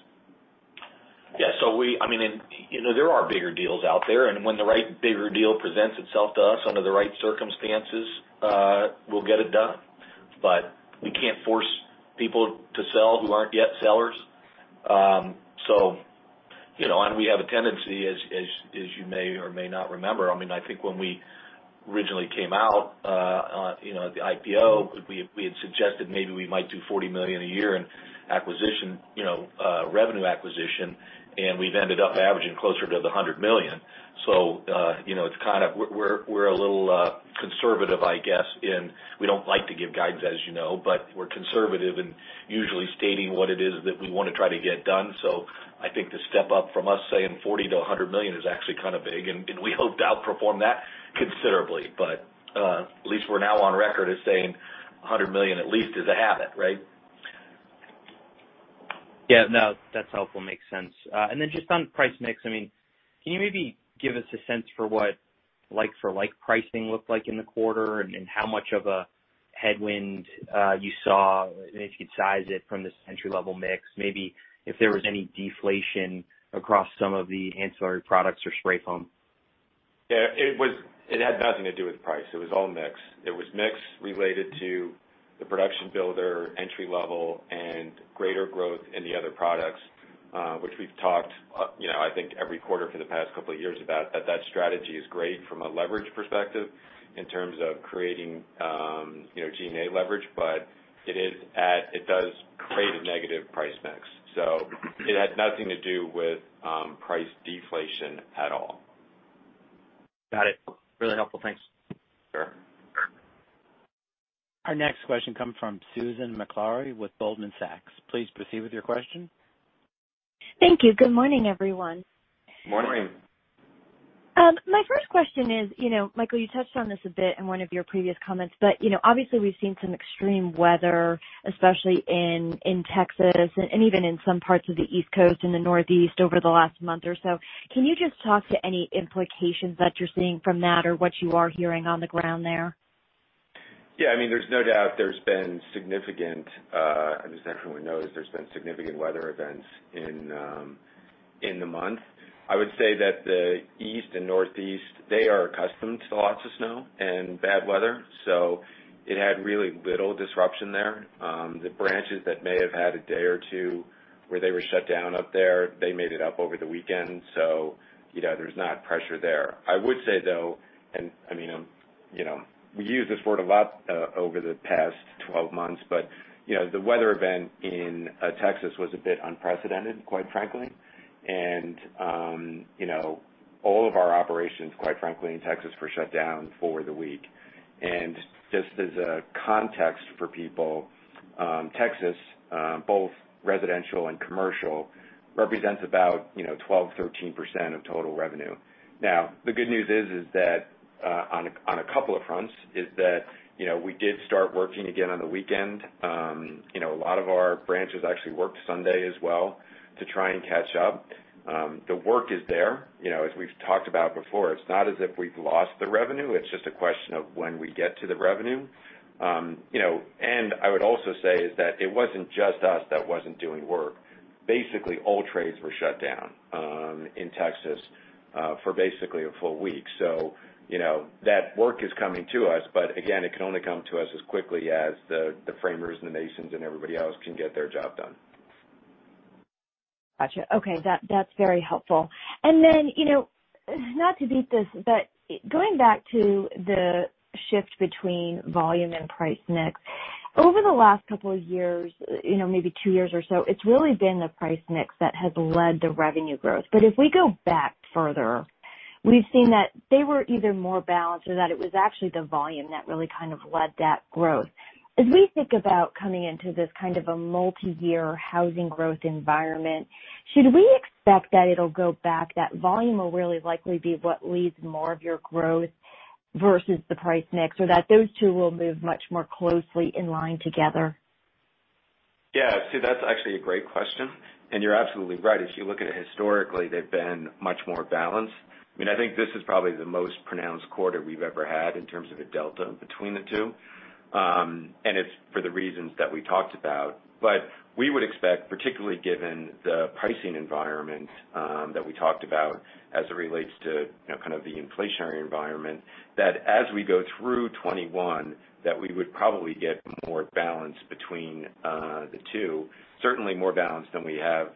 Yeah, so I mean, and, you know, there are bigger deals out there, and when the right bigger deal presents itself to us under the right circumstances, we'll get it done. But we can't force people to sell who aren't yet sellers. So, you know, and we have a tendency, as you may or may not remember, I mean, I think when we originally came out, you know, the IPO, we had suggested maybe we might do $40 million a year in acquisition, you know, revenue acquisition, and we've ended up averaging closer to the $100 million. So, you know, it's kind of. We're a little conservative, I guess, in we don't like to give guidance, as you know, but we're conservative in usually stating what it is that we want to try to get done. So I think the step up from us saying $40million-$100 million is actually kind of big, and we hope to outperform that considerably. But at least we're now on record as saying $100 million at least is a habit, right? Yeah. No, that's helpful. Makes sense. And then just on price mix, I mean, can you maybe give us a sense for what like-for-like pricing looked like in the quarter and how much of a headwind you saw, and if you could size it from this entry-level mix, maybe if there was any deflation across some of the ancillary products or spray foam? Yeah, it was. It had nothing to do with price. It was all mix. It was mix related to the production builder, entry level, and greater growth in the other products, which we've talked, you know, I think every quarter for the past couple of years about, that strategy is great from a leverage perspective in terms of creating, you know, G&A leverage, but it does create a negative price mix. So it had nothing to do with price deflation at all. Got it. Really helpful. Thanks. Sure. Our next question comes from Susan Maklari with Goldman Sachs. Please proceed with your question. Thank you. Good morning, everyone. Morning. Morning. My first question is, you know, Michael, you touched on this a bit in one of your previous comments, but you know, obviously, we've seen some extreme weather, especially in Texas and even in some parts of the East Coast and the Northeast over the last month or so. Can you just talk to any implications that you're seeing from that or what you are hearing on the ground there? Yeah, I mean, there's no doubt there's been significant, and as everyone knows, there's been significant weather events in, in the month. I would say that the East and Northeast, they are accustomed to lots of snow and bad weather, so it had really little disruption there. The branches that may have had a day or two where they were shut down up there, they made it up over the weekend, so, you know, there's not pressure there. I would say, though, and, I mean, you know, we use this word a lot, over the past 12 months, but, you know, the weather event in, Texas was a bit unprecedented, quite frankly. And, you know, all of our operations, quite frankly, in Texas were shut down for the week. Just as a context for people, Texas, both residential and commercial, represents about, you know, 12%-13% of total revenue. Now, the good news is that, on a couple of fronts, you know, we did start working again on the weekend. You know, a lot of our branches actually worked Sunday as well to try and catch up. The work is there. You know, as we've talked about before, it's not as if we've lost the revenue. It's just a question of when we get to the revenue. You know, and I would also say that it wasn't just us that wasn't doing work. Basically, all trades were shut down in Texas for basically a full week. So, you know, that work is coming to us. But again, it can only come to us as quickly as the framers and the masons and everybody else can get their job done. Gotcha. Okay, that, that's very helpful. And then, you know, not to beat this, but going back to the shift between volume and price mix, over the last couple of years, you know, maybe two years or so, it's really been the price mix that has led the revenue growth. But if we go back further, we've seen that they were either more balanced or that it was actually the volume that really kind of led that growth. As we think about coming into this kind of a multi-year housing growth environment, should we expect that it'll go back, that volume will really likely be what leads more of your growth versus the price mix, or that those two will move much more closely in line together? Yeah. See, that's actually a great question, and you're absolutely right. If you look at it historically, they've been much more balanced. I mean, I think this is probably the most pronounced quarter we've ever had in terms of the delta between the two. And it's for the reasons that we talked about. But we would expect, particularly given the pricing environment, that we talked about as it relates to, you know, kind of the inflationary environment, that as we go through 2021, that we would probably get more balance between the two. Certainly more balance than we have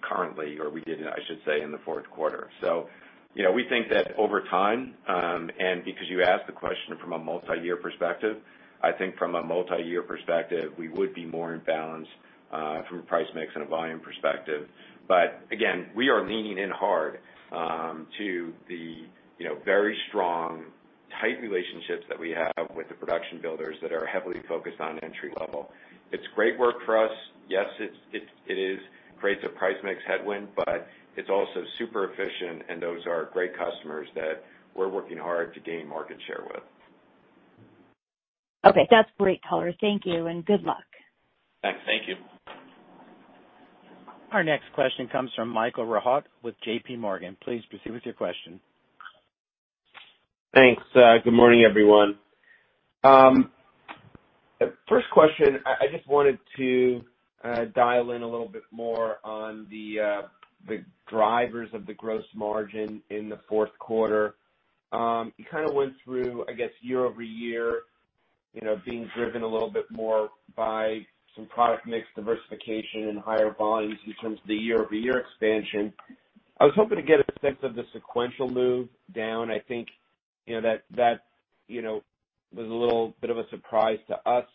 currently, or we did, I should say, in the fourth quarter. So, you know, we think that over time, and because you asked the question from a multi-year perspective, I think from a multi-year perspective, we would be more in balance, from a price mix and a volume perspective. But again, we are leaning in hard, to the, you know, very strong, tight relationships that we have with the production builders that are heavily focused on entry level. It's great work for us. Yes, it creates a price mix headwind, but it's also super efficient, and those are great customers that we're working hard to gain market share with. Okay. That's great color. Thank you, and good luck. Thanks. Thank you. Our next question comes from Michael Rehaut with JPMorgan. Please proceed with your question. Thanks. Good morning, everyone. First question, I just wanted to dial in a little bit more on the drivers of the Gross Margin in the fourth quarter. You kind of went through, I guess, year-over-year, you know, being driven a little bit more by some product mix diversification and higher volumes in terms of the year-over-year expansion. I was hoping to get a sense of the sequential move down. I think, you know, that was a little bit of a surprise to us.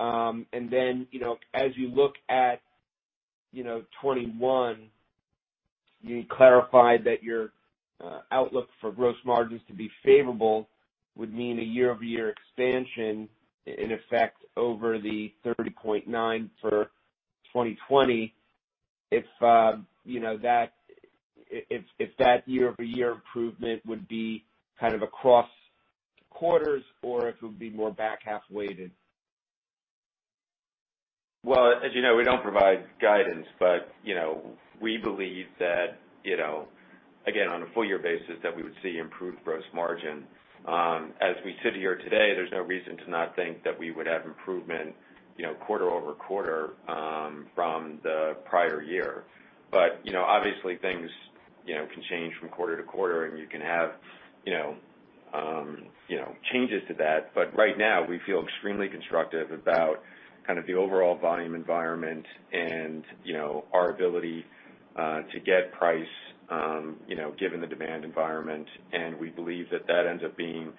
And then, you know, as you look at 2021, you clarified that your outlook for gross margins to be favorable would mean a year-over-year expansion, in effect, over the 30.9% for 2020. If, you know, if that year-over-year improvement would be kind of across quarters or if it would be more back half weighted? Well, as you know, we don't provide guidance, but, you know, we believe that, you know, again, on a full year basis, that we would see improved gross margin. As we sit here today, there's no reason to not think that we would have improvement, you know, quarter-over-quarter, from the prior year. But, you know, obviously things, you know, can change from quarter to quarter, and you can have, you know, you know, changes to that. But right now, we feel extremely constructive about kind of the overall volume environment and, you know, our ability, to get price, you know, given the demand environment. And we believe that that ends up being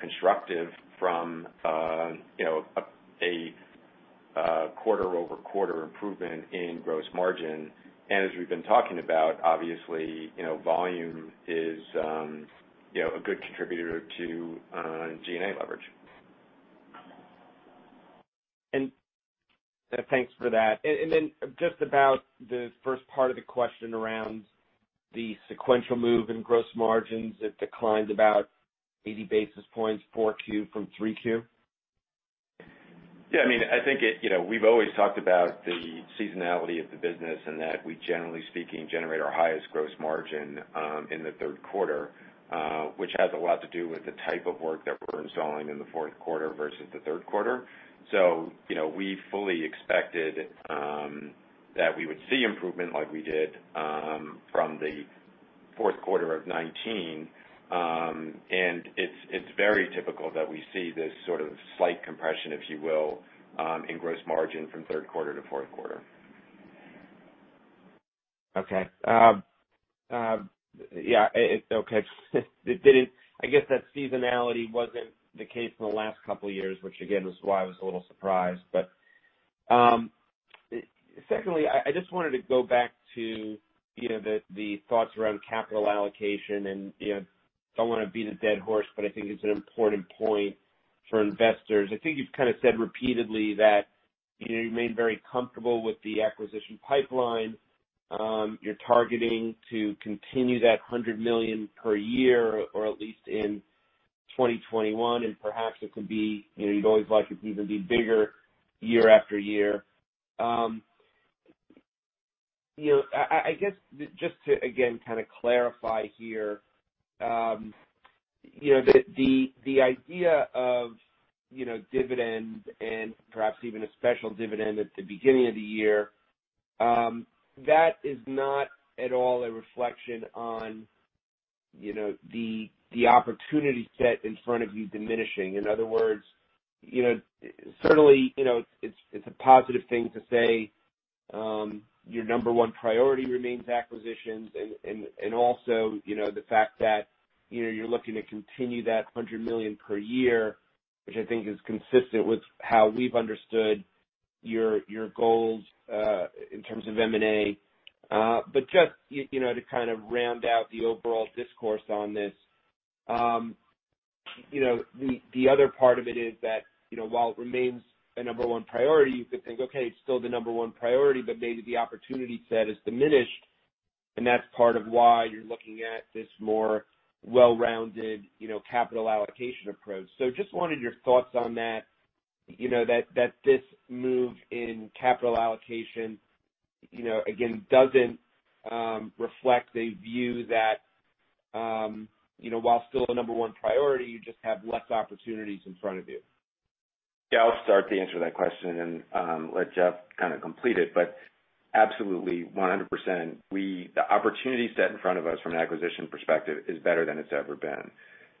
constructive from, you know, a quarter-over-quarter improvement in gross margin. As we've been talking about, obviously, you know, volume is, you know, a good contributor to SG&A leverage. Thanks for that. And then just about the first part of the question around the sequential move in gross margins, it declined about 80 basis points, 4Q from 3Q? Yeah, I mean, I think it, you know, we've always talked about the seasonality of the business and that we, generally speaking, generate our highest gross margin in the third quarter, which has a lot to do with the type of work that we're installing in the fourth quarter versus the third quarter. So, you know, we fully expected that we would see like we did from the fourth quarter of 2019. And it's very typical that we see this sort of slight compression, if you will, in gross margin from third quarter to fourth quarter. Okay. Yeah, it didn't. I guess that seasonality wasn't the case in the last couple of years, which again, was why I was a little surprised. But, secondly, I just wanted to go back to, you know, the thoughts around capital allocation, and, you know, don't want to beat a dead horse, but I think it's an important point for investors. I think you've kind of said repeatedly that, you know, you remain very comfortable with the acquisition pipeline. You're targeting to continue that $100 million per year, or at least in 2021, and perhaps it could be, you know, you'd always like it to even be bigger year after year. You know, I guess, just to, again, kind of clarify here, you know, the idea of, you know, dividends and perhaps even a special dividend at the beginning of the year, that is not at all a reflection on, you know, the opportunity set in front of you diminishing. In other words, you know, certainly, you know, it's a positive thing to say, your number one priority remains acquisitions. And also, you know, the fact that, you know, you're looking to continue that $100 million per year, which I think is consistent with how we've understood your goals in terms of M&A. But just, you know, to kind of round out the overall discourse on this, you know, the other part of it is that, you know, while it remains a number one priority, you could think, okay, it's still the number one priority, but maybe the opportunity set is diminished, and that's part of why you're looking at this more well-rounded, you know, capital allocation approach. So just wanted your thoughts on that, you know, that this move in capital allocation, you know, again, doesn't reflect a view that, you know, while still the number one priority, you just have less opportunities in front of you. Yeah, I'll start to answer that question and let Jeff kind of complete it. But absolutely, 100%, we, the opportunity set in front of us from an acquisition perspective is better than it's ever been.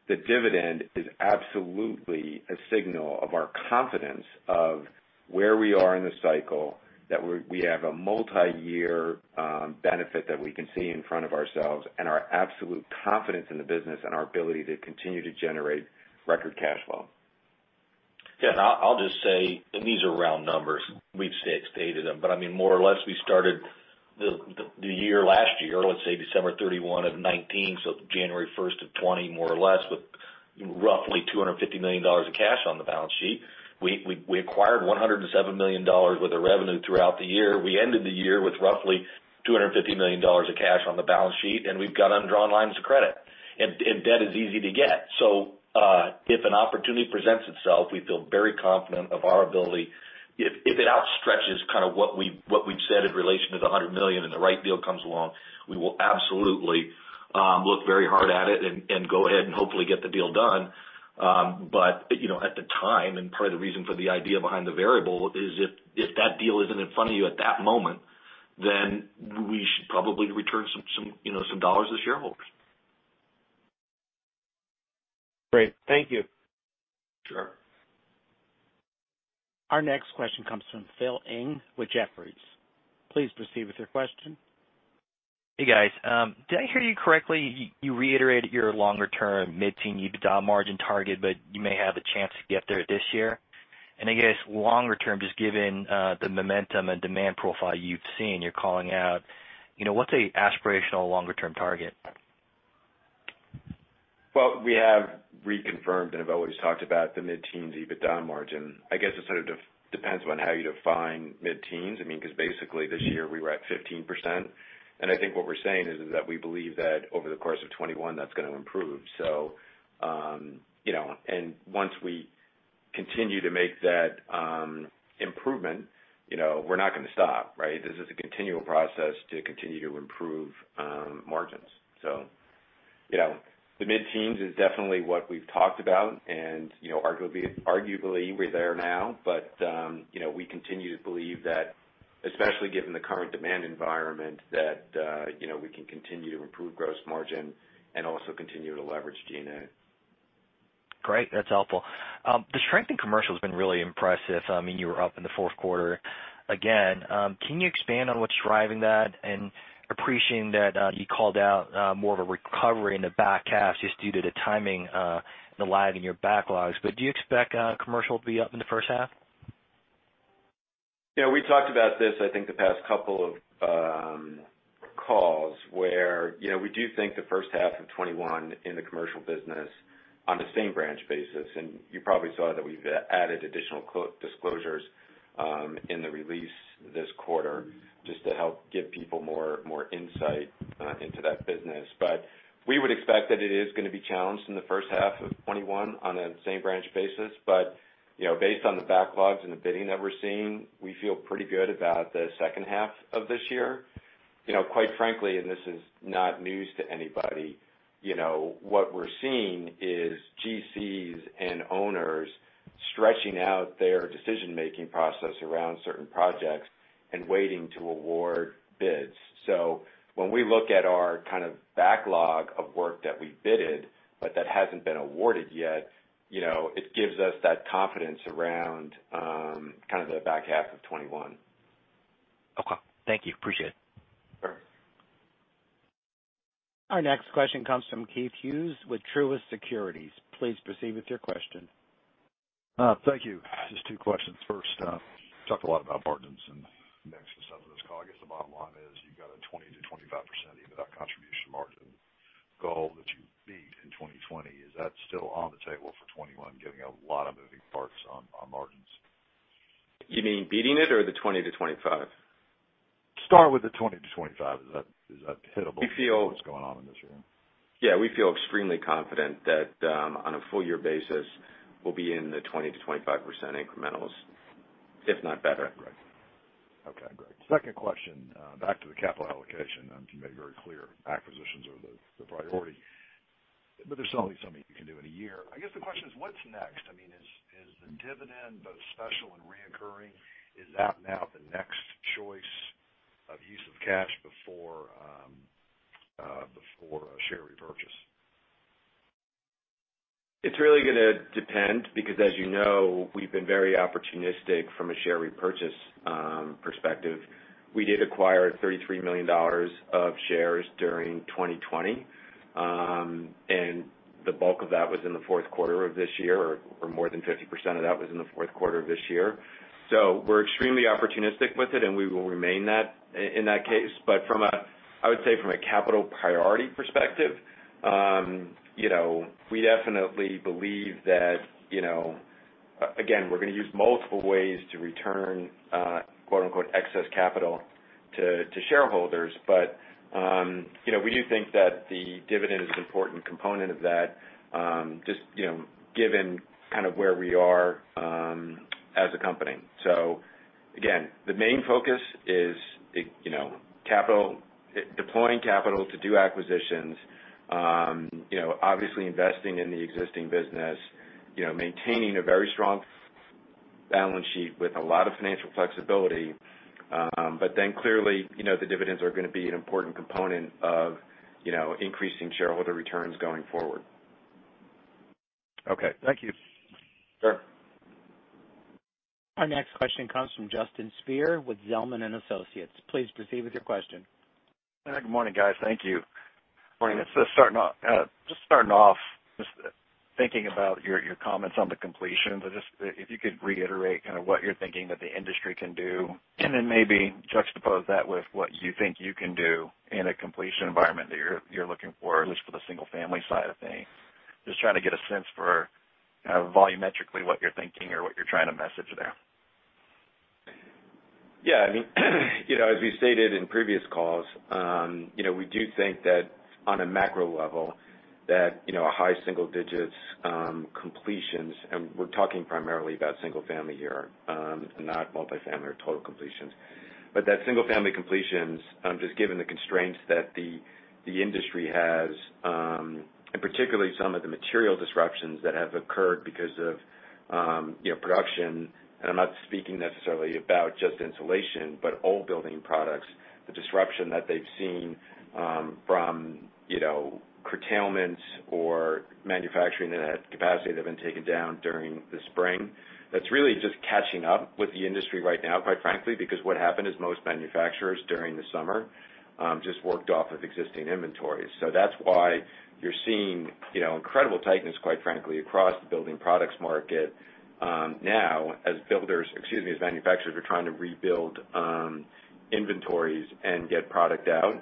The dividend is absolutely a signal of our confidence of where we are in the cycle, that we have a multiyear benefit that we can see in front of ourselves and our absolute confidence in the business and our ability to continue to generate record cash flow. Yeah, I'll just say, and these are round numbers, we've stated them, but I mean, more or less, we started the year last year, let's say December 31, 2019, so January 1, 2020, more or less, with roughly $250 million of cash on the balance sheet. We acquired $107 million worth of revenue throughout the year. We ended the year with roughly $250 million of cash on the balance sheet, and we've got undrawn lines of credit. Debt is easy to get. If an opportunity presents itself, we feel very confident of our ability. If it outstretches kind of what we've said in relation to the $100 million and the right deal comes along, we will absolutely look very hard at it and go ahead and hopefully get the deal done. But you know, at the time, and part of the reason for the idea behind the variable is if that deal isn't in front of you at that moment, then we should probably return some you know some dollars to shareholders. Great. Thank you. Sure. Our next question comes from Phil Ng with Jefferies. Please proceed with your question. Hey, guys. Did I hear you correctly, you reiterated your longer term mid-teen EBITDA margin target, but you may have a chance to get there this year? And I guess longer term, just given the momentum and demand profile you've seen, you're calling out, you know, what's a aspirational longer term target? Well, we have reconfirmed and have always talked about the mid-teens EBITDA margin. I guess it sort of depends on how you define mid-teens. I mean, because basically this year we were at 15%. And I think what we're saying is, is that we believe that over the course of 2021, that's going to improve. So, you know, and once we continue to make that improvement, you know, we're not going to stop, right? This is a continual process to continue to improve margins. So, you know, the mid-teens is definitely what we've talked about, and, you know, arguably, we're there now. But, you know, we continue to believe that, especially given the current demand environment, that, you know, we can continue to improve gross margin and also continue to leverage G&A. Great, that's helpful. The strength in commercial has been really impressive. I mean, you were up in the fourth quarter again. Can you expand on what's driving that? And appreciating that, you called out, more of a recovery in the back half, just due to the timing, and the lag in your backlogs. But do you expect, commercial to be up in the first half? Yeah, we talked about this, I think, the past couple of calls, where, you know, we do think the first half of 2021 in the commercial business on a same branch basis, and you probably saw that we've added additional disclosures in the release this quarter just to help give people more, more insight into that business. But we would expect that it is gonna be challenged in the first half of 2021 on a same branch basis. But, you know, based on the backlogs and the bidding that we're seeing, we feel pretty good about the second half of this year. You know, quite frankly, and this is not news to anybody, you know, what we're seeing is GCs and owners stretching out their decision-making process around certain projects and waiting to award bids. When we look at our kind of backlog of work that we bid, but that hasn't been awarded yet, you know, it gives us that confidence around kind of the back half of 2021. Okay. Thank you. Appreciate it. Sure. Our next question comes from Keith Hughes with Truist Securities. Please proceed with your question. Thank you. Just two questions. First, you talked a lot about margins and next and some of this call, I guess, the bottom line is you've got a 20%-25% EBITDA contribution margin goal that you beat in 2020. Is that still on the table for 2021, given a lot of moving parts on margins? You mean beating it or the 20-25? Start with the 20-25. Is that, is that hittable- We feel- with what's going on in this room? Yeah, we feel extremely confident that on a full year basis, we'll be in the 20%-25% incrementals, if not better. Right. Okay, great. Second question, back to the capital allocation, you made it very clear acquisitions are the priority. But there's only so many you can do in a year. I guess the question is, what's next? I mean, is the dividend, both special and recurring, is that now the next choice of use of cash before a share repurchase? It's really gonna depend, because as you know, we've been very opportunistic from a share repurchase perspective. We did acquire $33 million of shares during 2020. And the bulk of that was in the fourth quarter of this year, or more than 50% of that was in the fourth quarter of this year. So we're extremely opportunistic with it, and we will remain that in that case. But from a, I would say, from a capital priority perspective, you know, we definitely believe that, you know, again, we're gonna use multiple ways to return, quote, unquote, "excess capital" to shareholders. But, you know, we do think that the dividend is an important component of that, just, you know, given kind of where we are as a company. So again, the main focus is, you know, capital, deploying capital to do acquisitions, you know, obviously investing in the existing business, you know, maintaining a very strong balance sheet with a lot of financial flexibility. But then clearly, you know, the dividends are gonna be an important component of, you know, increasing shareholder returns going forward. Okay. Thank you. Sure. Our next question comes from Justin Speer with Zelman & Associates. Please proceed with your question. Hi, good morning, guys. Thank you. Morning. Let's just start off, just thinking about your comments on the completions. If you could reiterate kind of what you're thinking that the industry can do, and then maybe juxtapose that with what you think you can do in a completion environment that you're looking for, at least for the single-family side of things. Just trying to get a sense for kind of volumetrically what you're thinking or what you're trying to message there. Yeah, I mean, you know, as we stated in previous calls, you know, we do think that on a macro level, that, you know, a high single-digits completions, and we're talking primarily about single-family here, not multifamily or total completions. But that single-family completions, just given the constraints that the industry has, and particularly some of the material disruptions that have occurred because of, you know, production, and I'm not speaking necessarily about just insulation, but all building products, the disruption that they've seen, from, you know, curtailments or manufacturing at capacity that have been taken down during the spring. That's really just catching up with the industry right now, quite frankly, because what happened is most manufacturers during the summer, just worked off of existing inventories. So that's why you're seeing, you know, incredible tightness, quite frankly, across the building products market. Now, as builders, excuse me, as manufacturers are trying to rebuild inventories and get product out,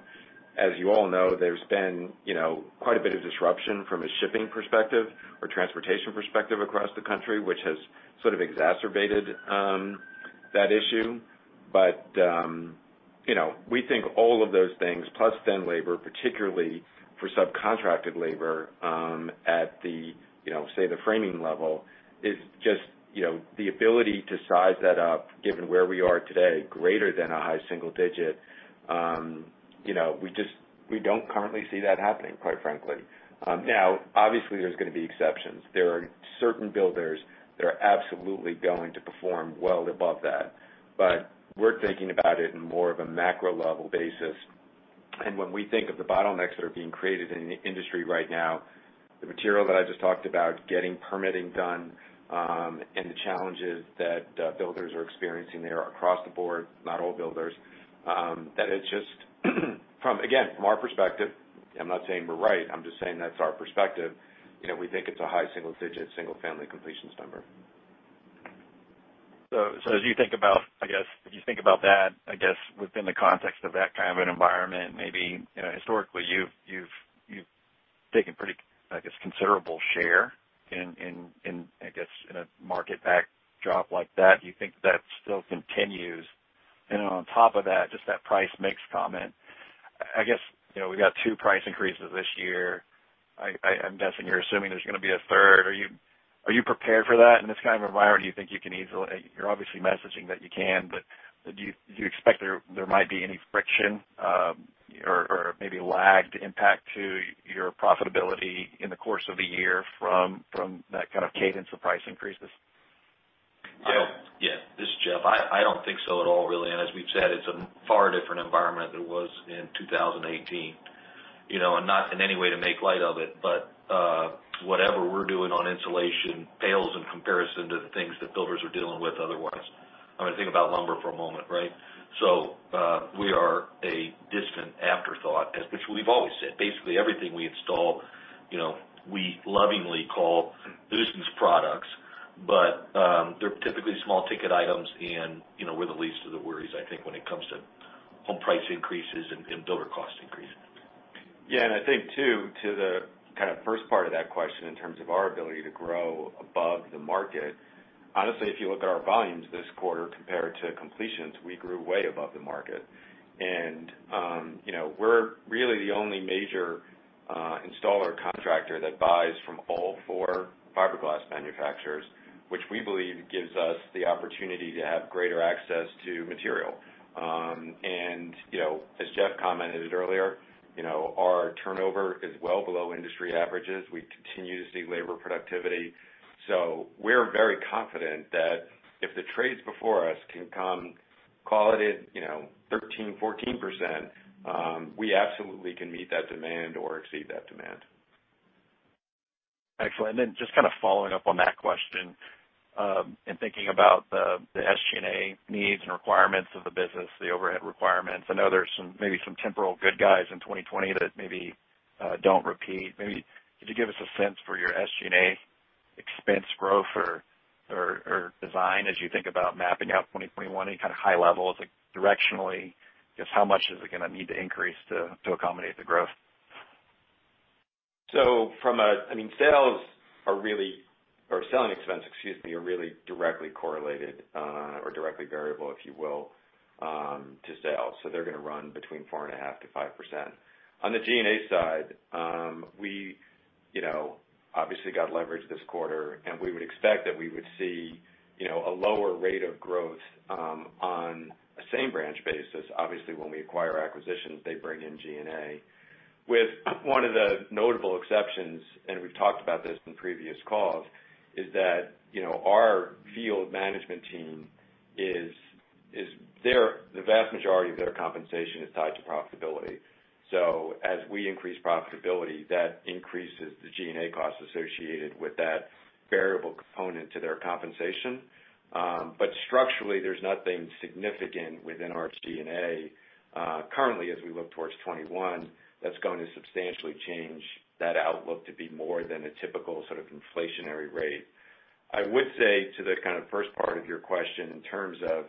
as you all know, there's been, you know, quite a bit of disruption from a shipping perspective or transportation perspective across the country, which has sort of exacerbated that issue. But, you know, we think all of those things plus then labor, particularly for subcontracted labor at the, you know, say the framing level, is just, you know, the ability to size that up, given where we are today, greater than a high single digit, you know, we just we don't currently see that happening, quite frankly. Now, obviously, there's gonna be exceptions. There are certain builders that are absolutely going to perform well above that, but we're thinking about it in more of a macro level basis. And when we think of the bottlenecks that are being created in the industry right now, the material that I just talked about, getting permitting done, and the challenges that builders are experiencing there across the board, not all builders, that it's just, from, again, from our perspective, I'm not saying we're right, I'm just saying that's our perspective, you know, we think it's a high single digit, single-family completions number. So as you think about, I guess, if you think about that, I guess, within the context of that kind of an environment, maybe, you know, historically, you've taken pretty, I guess, considerable share in, I guess, in a market backdrop like that. Do you think that still continues? And then on top of that, just that price mix comment, I guess, you know, we got two price increases this year. I'm guessing you're assuming there's gonna be a third. Are you prepared for that in this kind of environment, or do you think you can easily... You're obviously messaging that you can, but do you expect there might be any friction or maybe lagged impact to your profitability in the course of the year from that kind of cadence of price increases? I don't. Yeah, this is Jeff. I don't think so at all, really, and as we've said, it's a far different environment than it was in 2018. You know, and not in any way to make light of it, but whatever we're doing on insulation pales in comparison to the things that builders are dealing with otherwise. I mean, think about lumber for a moment, right? So, we are a distant afterthought, as which we've always said, basically everything we install, you know, we lovingly call nuisance products, but they're typically small ticket items, and, you know, we're the least of the worries, I think, when it comes to home price increases and builder cost increases. Yeah, and I think, too, to the kind of first part of that question in terms of our ability to grow above the market, honestly, if you look at our volumes this quarter compared to completions, we grew way above the market. And, you know, we're really the only major installer contractor that buys from all four fiberglass manufacturers, which we believe gives us the opportunity to have greater access to material. And, you know, as Jeff commented earlier, you know, our turnover is well below industry averages. We continue to see labor productivity. So we're very confident that if the trades before us can come quality at, you know, 13%-14%, we absolutely can meet that demand or exceed that demand. Excellent. Then just kind of following up on that question, and thinking about the SG&A needs and requirements of the business, the overhead requirements, I know there's some, maybe some temporary goodies in 2020 that maybe don't repeat. Maybe could you give us a sense for your SG&A expense growth or guidance as you think about mapping out 2021? Any kind of high levels, like directionally, just how much is it gonna need to increase to accommodate the growth? So, I mean, sales are really. or selling expense, excuse me, are really directly correlated or directly variable, if you will, to sales. So they're gonna run between 4.5%-5%. On the G&A side, we, you know, obviously got leverage this quarter, and we would expect that we would see, you know, a lower rate of growth on a same branch basis. Obviously, when we acquire acquisitions, they bring in G&A. With one of the notable exceptions, and we've talked about this in previous calls, is that, you know, our field management team, the vast majority of their compensation is tied to profitability. So as we increase profitability, that increases the G&A costs associated with that variable component to their compensation. But structurally, there's nothing significant within our G&A, currently, as we look towards 2021, that's going to substantially change that outlook to be more than a typical sort of inflationary rate. I would say to the kind of first part of your question, in terms of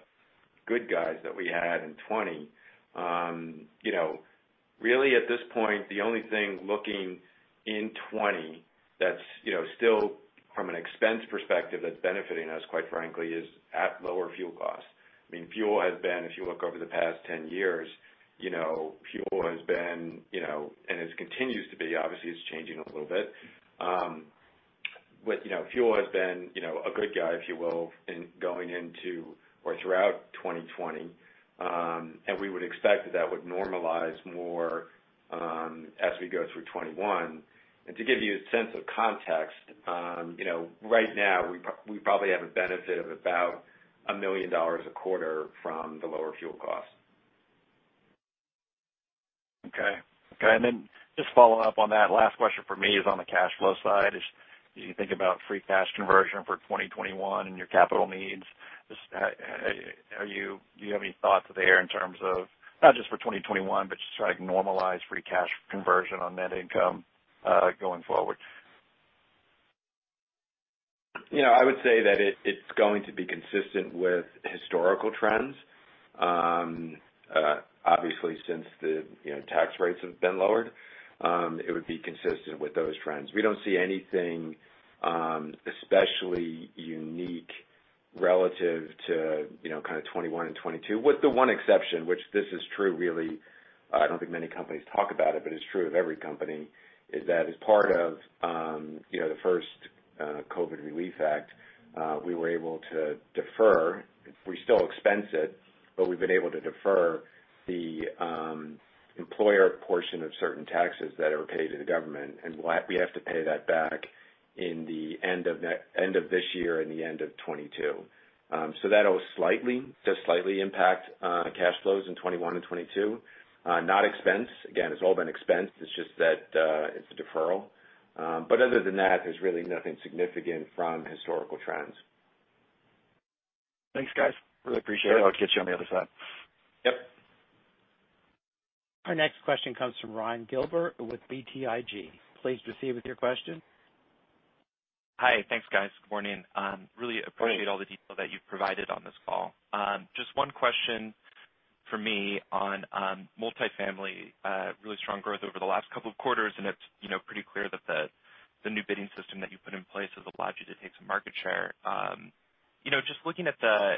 good guys that we had in 2020, you know, really, at this point, the only thing looking in 2020 that's, you know, still from an expense perspective, that's benefiting us, quite frankly, is at lower fuel costs. I mean, fuel has been, if you look over the past 10 years, you know, fuel has been, you know, and it continues to be, obviously, it's changing a little bit. But, you know, fuel has been, you know, a good guy, if you will, in going into or throughout 2020, and we would expect that that would normalize more, as we go through 2021. And to give you a sense of context, you know, right now, we probably have a benefit of about $1 million a quarter from the lower fuel costs. Okay. Okay, and then just following up on that, last question for me is on the cash flow side. As you think about free cash conversion for 2021 and your capital needs, just how do you have any thoughts there in terms of not just for 2021, but just sort of normalized free cash conversion on net income, going forward? You know, I would say that it, it's going to be consistent with historical trends. Obviously, since the, you know, tax rates have been lowered, it would be consistent with those trends. We don't see anything, especially unique relative to, you know, kind of 2021 and 2022, with the one exception, which this is true, really, I don't think many companies talk about it, but it's true of every company, is that as part of, you know, the first COVID relief act, we were able to defer. We still expense it, but we've been able to defer the employer portion of certain taxes that are paid to the government, and we have to pay that back in the end of this year and the end of 2022. So that will slightly, just slightly impact cash flows in 2021 and 2022. Not expense. Again, it's all been expensed. It's just that, it's a deferral. But other than that, there's really nothing significant from historical trends. Thanks, guys. Really appreciate it. I'll catch you on the other side. Yep. Our next question comes from Ryan Gilbert with BTIG. Please proceed with your question. Hi. Thanks, guys. Good morning. Really appreciate- Hey... all the detail that you've provided on this call. Just one question for me on multifamily. Really strong growth over the last couple of quarters, and it's, you know, pretty clear that the new bidding system that you put in place has allowed you to take some market share. You know, just looking at the,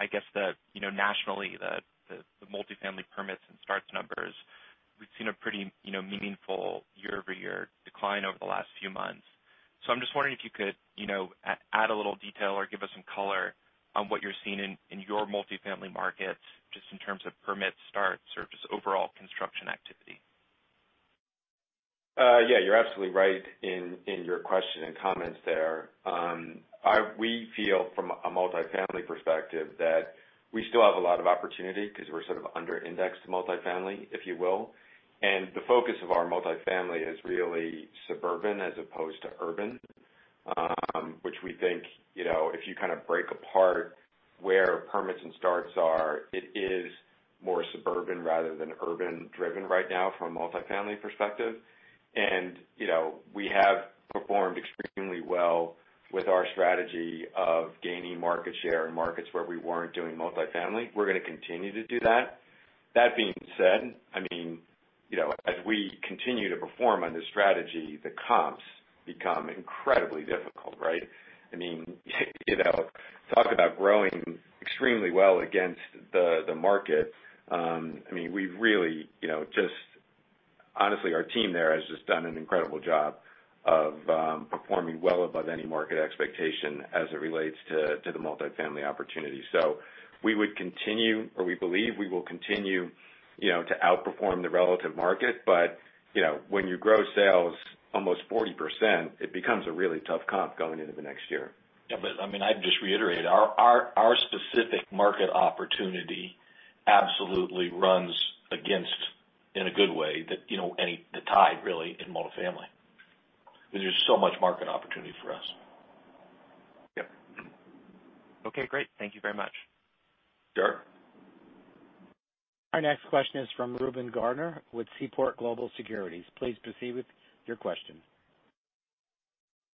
I guess, nationally, the multifamily permits and starts numbers, we've seen a pretty, you know, meaningful year-over-year decline over the last few months. So I'm just wondering if you could, you know, add a little detail or give us some color on what you're seeing in your multifamily markets, just in terms of permits, starts, or just overall construction activity. Yeah, you're absolutely right in your question and comments there. We feel from a multifamily perspective, that we still have a lot of opportunity because we're sort of under-indexed to multifamily, if you will. The focus of our multifamily is really suburban as opposed to urban, which we think, you know, if you kind of break apart where permits and starts are, it is more suburban rather than urban-driven right now from a multifamily perspective. You know, we have performed extremely well with our strategy of gaining market share in markets where we weren't doing multifamily. We're gonna continue to do that. That being said, I mean, you know, as we continue to perform on this strategy, the comps become incredibly difficult, right? I mean, you know, talk about growing extremely well against the market. I mean, we've really, you know, just -- honestly, our team there has just done an incredible job of performing well above any market expectation as it relates to the multifamily opportunity. So we would continue, or we believe we will continue, you know, to outperform the relative market, but, you know, when you grow sales almost 40%, it becomes a really tough comp going into the next year. Yeah, but I mean, I'd just reiterate, our specific market opportunity absolutely runs against, in a good way, that, you know, any, the tide really in multifamily, because there's so much market opportunity for us. Yep. Okay, great. Thank you very much. Sure. Our next question is from Reuben Garner with Seaport Global Securities. Please proceed with your question.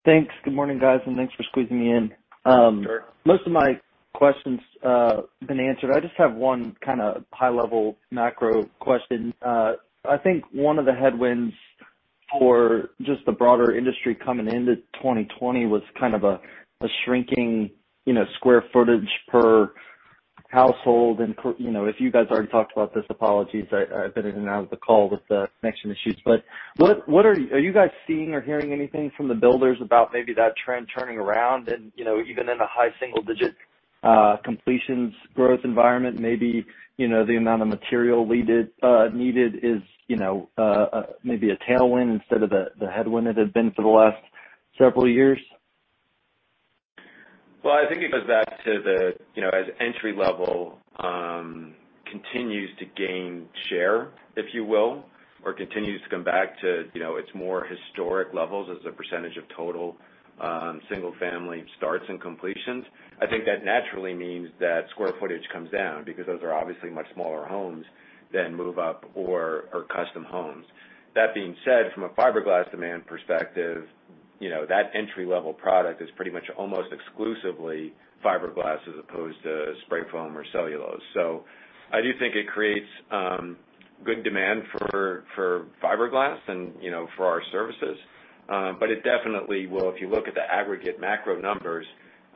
Thanks. Good morning, guys, and thanks for squeezing me in. Sure. Most of my questions have been answered. I just have one kind of high-level macro question. I think one of the headwinds for just the broader industry coming into 2020 was kind of a shrinking, you know, square footage per household and per- You know, if you guys already talked about this, apologies. I've been in and out of the call with the connection issues. But what are you. Are you guys seeing or hearing anything from the builders about maybe that trend turning around and, you know, even in a high single digit completions growth environment, maybe, you know, the amount of material needed is, you know, maybe a tailwind instead of the headwind it had been for the last several years? Well, I think it goes back to the, you know, as entry-level continues to gain share, if you will, or continues to come back to, you know, its more historic levels as a percentage of total single-family starts and completions. I think that naturally means that square footage comes down because those are obviously much smaller homes than move-up or custom homes. That being said, from a fiberglass demand perspective, you know, that entry-level product is pretty much almost exclusively fiberglass as opposed to spray foam or cellulose. So I do think it creates good demand for fiberglass and, you know, for our services. But it definitely will. If you look at the aggregate macro numbers,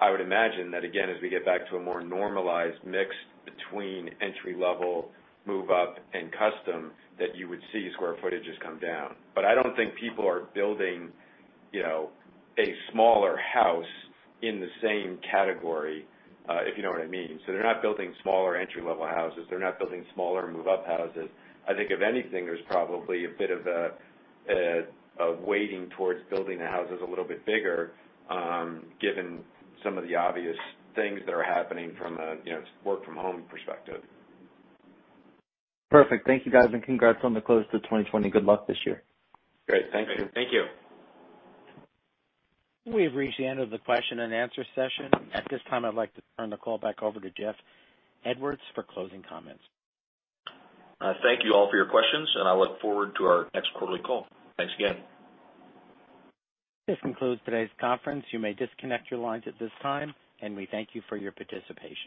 I would imagine that, again, as we get back to a more normalized mix between entry level, move up, and custom, that you would see square footages come down. But I don't think people are building, you know, a smaller house in the same category, if you know what I mean. So they're not building smaller entry-level houses. They're not building smaller move-up houses. I think if anything, there's probably a bit of a weighting towards building the houses a little bit bigger, given some of the obvious things that are happening from a, you know, work from home perspective. Perfect. Thank you, guys, and congrats on the close to 2020. Good luck this year. Great. Thank you. Thank you. We have reached the end of the question and answer session. At this time, I'd like to turn the call back over to Jeff Edwards for closing comments. Thank you all for your questions, and I look forward to our next quarterly call. Thanks again. This concludes today's conference. You may disconnect your lines at this time, and we thank you for your participation.